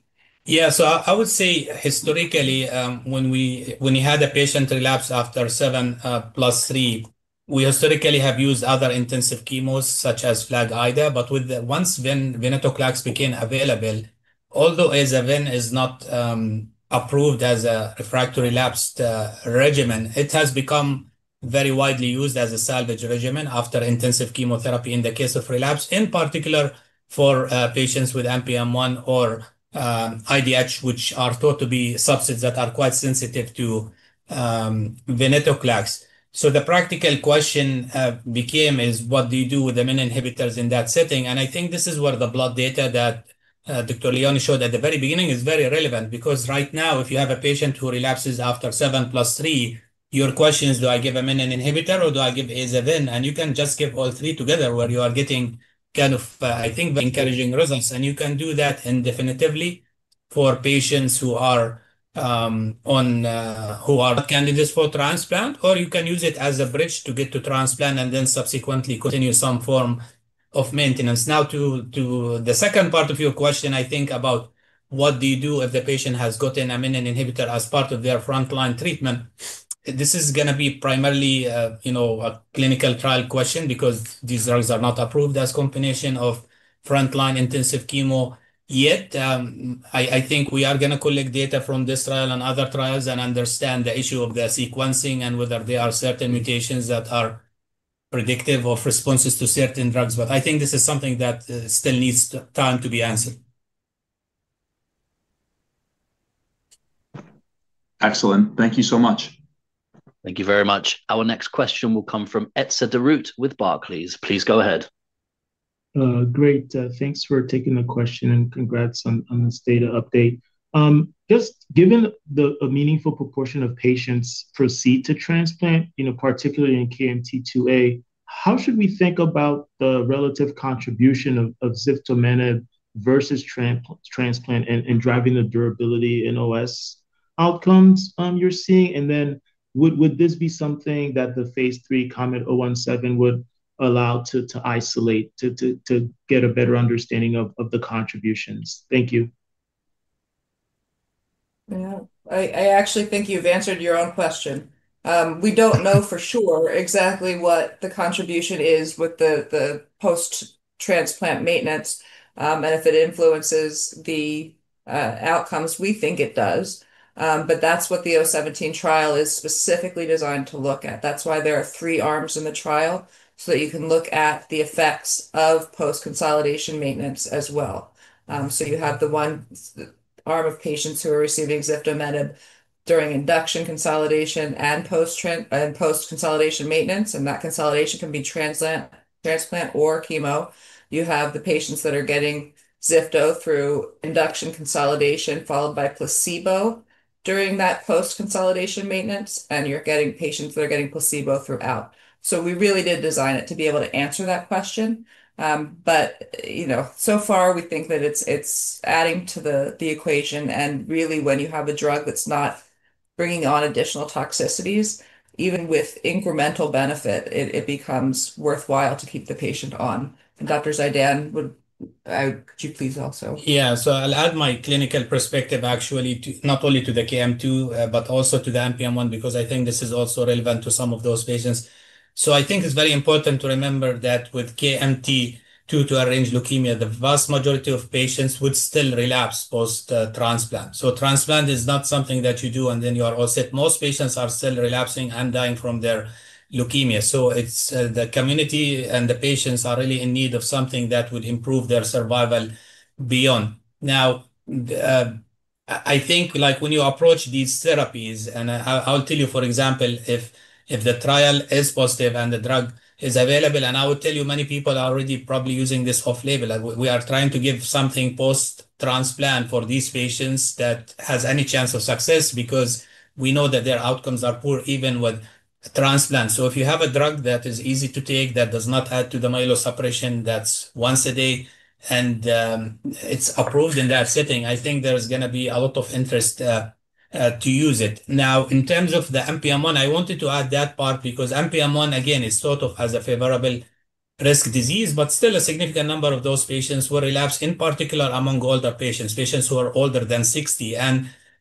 [SPEAKER 4] I would say historically, when you had a patient relapse after 7+3, we historically have used other intensive chemos, such as FLAG-IDA, but once venetoclax became available. Although aza-ven is not approved as a refractory lapsed regimen, it has become very widely used as a salvage regimen after intensive chemotherapy in the case of relapse, in particular for patients with NPM1 or IDH, which are thought to be subsets that are quite sensitive to venetoclax. The practical question became is what do you do with the menin inhibitors in that setting? I think this is where the Blood data that Dr. Leoni showed at the very beginning is very relevant, because right now, if you have a patient who relapses after 7+3, your question is, do I give a menin inhibitor or do I give aza-ven? You can just give all three together, where you are getting, I think, encouraging results, and you can do that indefinitely for patients who are not candidates for transplant, or you can use it as a bridge to get to transplant and then subsequently continue some form of maintenance. Now to the second part of your question, I think about what do you do if the patient has got an menin inhibitor as part of their frontline treatment? This is going to be primarily a clinical trial question, because these drugs are not approved as combination of frontline intensive chemo yet. I think we are going to collect data from this trial and other trials and understand the issue of the sequencing and whether there are certain mutations that are predictive of responses to certain drugs. I think this is something that still needs time to be answered.
[SPEAKER 11] Excellent. Thank you so much.
[SPEAKER 1] Thank you very much. Our next question will come from Etzer Darout with Barclays. Please go ahead.
[SPEAKER 12] Great. Thanks for taking the question. Congrats on this data update. Just given a meaningful proportion of patients proceed to transplant, particularly in KMT2A, how should we think about the relative contribution of ziftomenib versus transplant in driving the durability in OS outcomes you're seeing? Would this be something that the phase III KOMET-017 would allow to isolate to get a better understanding of the contributions? Thank you.
[SPEAKER 3] Yeah. I actually think you've answered your own question. We don't know for sure exactly what the contribution is with the post-transplant maintenance. If it influences the outcomes, we think it does, but that's what the 017 trial is specifically designed to look at. That's why there are three arms in the trial. You can look at the effects of post-consolidation maintenance as well. You have the one arm of patients who are receiving ziftomenib during induction consolidation and post-consolidation maintenance, and that consolidation can be transplant or chemo. You have the patients that are getting zifto through induction consolidation, followed by placebo during that post-consolidation maintenance. You're getting patients that are getting placebo throughout. We really did design it to be able to answer that question. So far, we think that it's adding to the equation. Really, when you have a drug that's not bringing on additional toxicities, even with incremental benefit, it becomes worthwhile to keep the patient on. Dr. Zeidan, could you please also?
[SPEAKER 4] Yeah. I'll add my clinical perspective actually, not only to the KMT2A, but also to the NPM1, because I think this is also relevant to some of those patients. I think it's very important to remember that with KMT2A to arrange leukemia, the vast majority of patients would still relapse post-transplant. Transplant is not something that you do and then you are all set. Most patients are still relapsing and dying from their leukemia. The community and the patients are really in need of something that would improve their survival beyond. I think when you approach these therapies, and I'll tell you, for example, if the trial is positive and the drug is available, and I will tell you, many people are already probably using this off-label. We are trying to give something post-transplant for these patients that has any chance of success because we know that their outcomes are poor, even with transplant. If you have a drug that is easy to take, that does not add to the myelosuppression, that's once a day, and it's approved in that setting, I think there's going to be a lot of interest to use it. In terms of the NPM1, I wanted to add that part because NPM1, again, is thought of as a favorable risk disease, but still a significant number of those patients will relapse, in particular among older patients who are older than 60.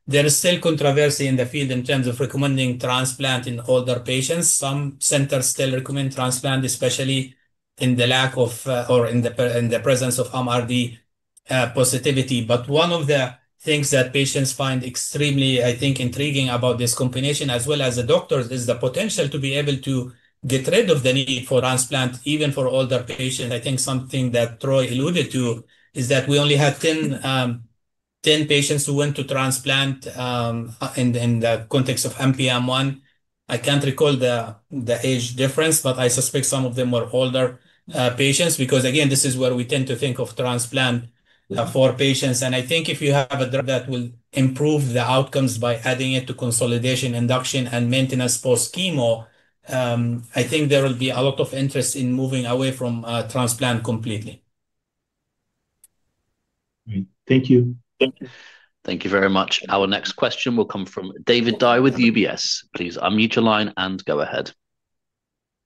[SPEAKER 4] There is still controversy in the field in terms of recommending transplant in older patients. Some centers still recommend transplant, especially in the presence of MRD positivity. One of the things that patients find extremely, I think, intriguing about this combination, as well as the doctors, is the potential to be able to get rid of the need for transplant, even for older patients. I think something that Troy alluded to is that we only had 10 patients who went to transplant in the context of NPM1. I can't recall the age difference, but I suspect some of them were older patients because, again, this is where we tend to think of transplant for patients. I think if you have a drug that will improve the outcomes by adding it to consolidation, induction, and maintenance post-chemo, I think there will be a lot of interest in moving away from transplant completely.
[SPEAKER 12] Great. Thank you.
[SPEAKER 4] Thank you.
[SPEAKER 1] Thank you very much. Our next question will come from David Dai with UBS. Please unmute your line and go ahead.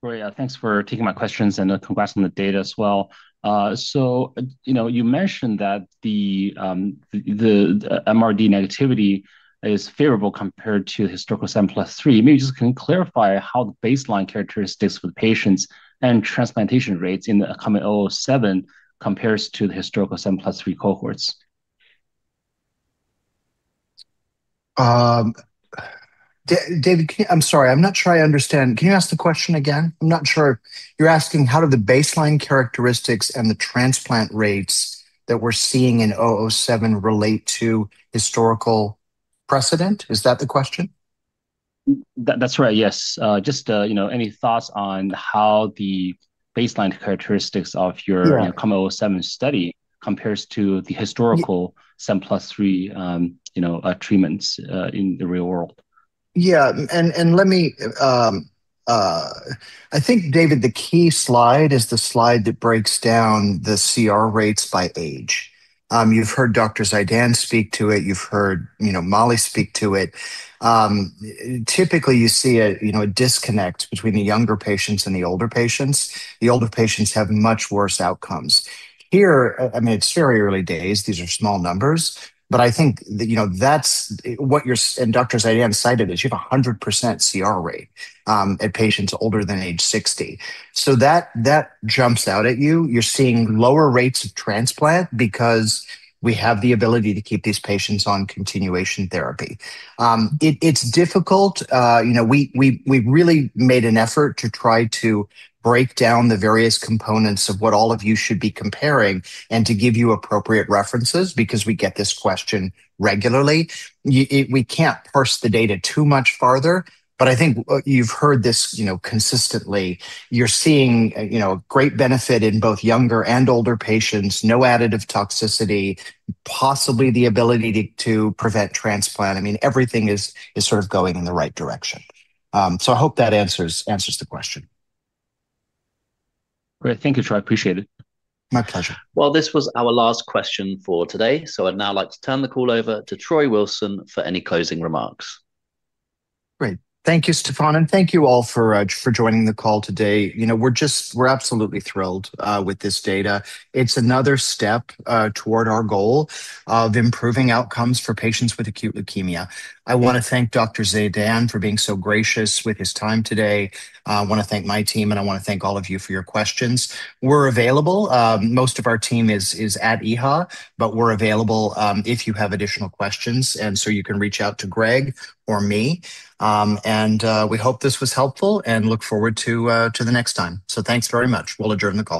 [SPEAKER 13] Great. Thanks for taking my questions and congrats on the data as well. You mentioned that the MRD negativity is favorable compared to historical 7+3. Maybe you just can clarify how the baseline characteristics for the patients and transplantation rates in the KOMET-007 compares to the historical 7+3 cohorts.
[SPEAKER 2] David, I'm sorry. I'm not sure I understand. Can you ask the question again? I'm not sure. You're asking how do the baseline characteristics and the transplant rates that we're seeing in 007 relate to historical precedent? Is that the question?
[SPEAKER 13] That's right, yes. Just any thoughts on how the baseline characteristics of your.
[SPEAKER 2] Sure
[SPEAKER 13] KOMET-007 study compares to the historical.
[SPEAKER 2] Yeah
[SPEAKER 13] 7+3 treatments in the real world?
[SPEAKER 2] Yeah. I think, David, the key slide is the slide that breaks down the CR rates by age. You've heard Dr. Zeidan speak to it, you've heard Mollie speak to it. Typically, you see a disconnect between the younger patients and the older patients. The older patients have much worse outcomes. Here, it's very early days, these are small numbers, but I think that's what Dr. Zeidan cited, is you have 100% CR rate at patients older than age 60. That jumps out at you. You're seeing lower rates of transplant because we have the ability to keep these patients on continuation therapy. It's difficult. We really made an effort to try to break down the various components of what all of you should be comparing and to give you appropriate references because we get this question regularly. We can't parse the data too much farther, I think you've heard this consistently. You're seeing great benefit in both younger and older patients, no additive toxicity, possibly the ability to prevent transplant. Everything is sort of going in the right direction. I hope that answers the question.
[SPEAKER 13] Great. Thank you, Troy. I appreciate it.
[SPEAKER 2] My pleasure.
[SPEAKER 1] This was our last question for today, I'd now like to turn the call over to Troy Wilson for any closing remarks.
[SPEAKER 2] Great. Thank you, Stefan, and thank you all for joining the call today. We're absolutely thrilled with this data. It's another step toward our goal of improving outcomes for patients with acute leukemia. I want to thank Dr. Zeidan for being so gracious with his time today. I want to thank my team, and I want to thank all of you for your questions. We're available. Most of our team is at EHA, but we're available if you have additional questions, and so you can reach out to Greg or me. We hope this was helpful and look forward to the next time. Thanks very much. We'll adjourn the call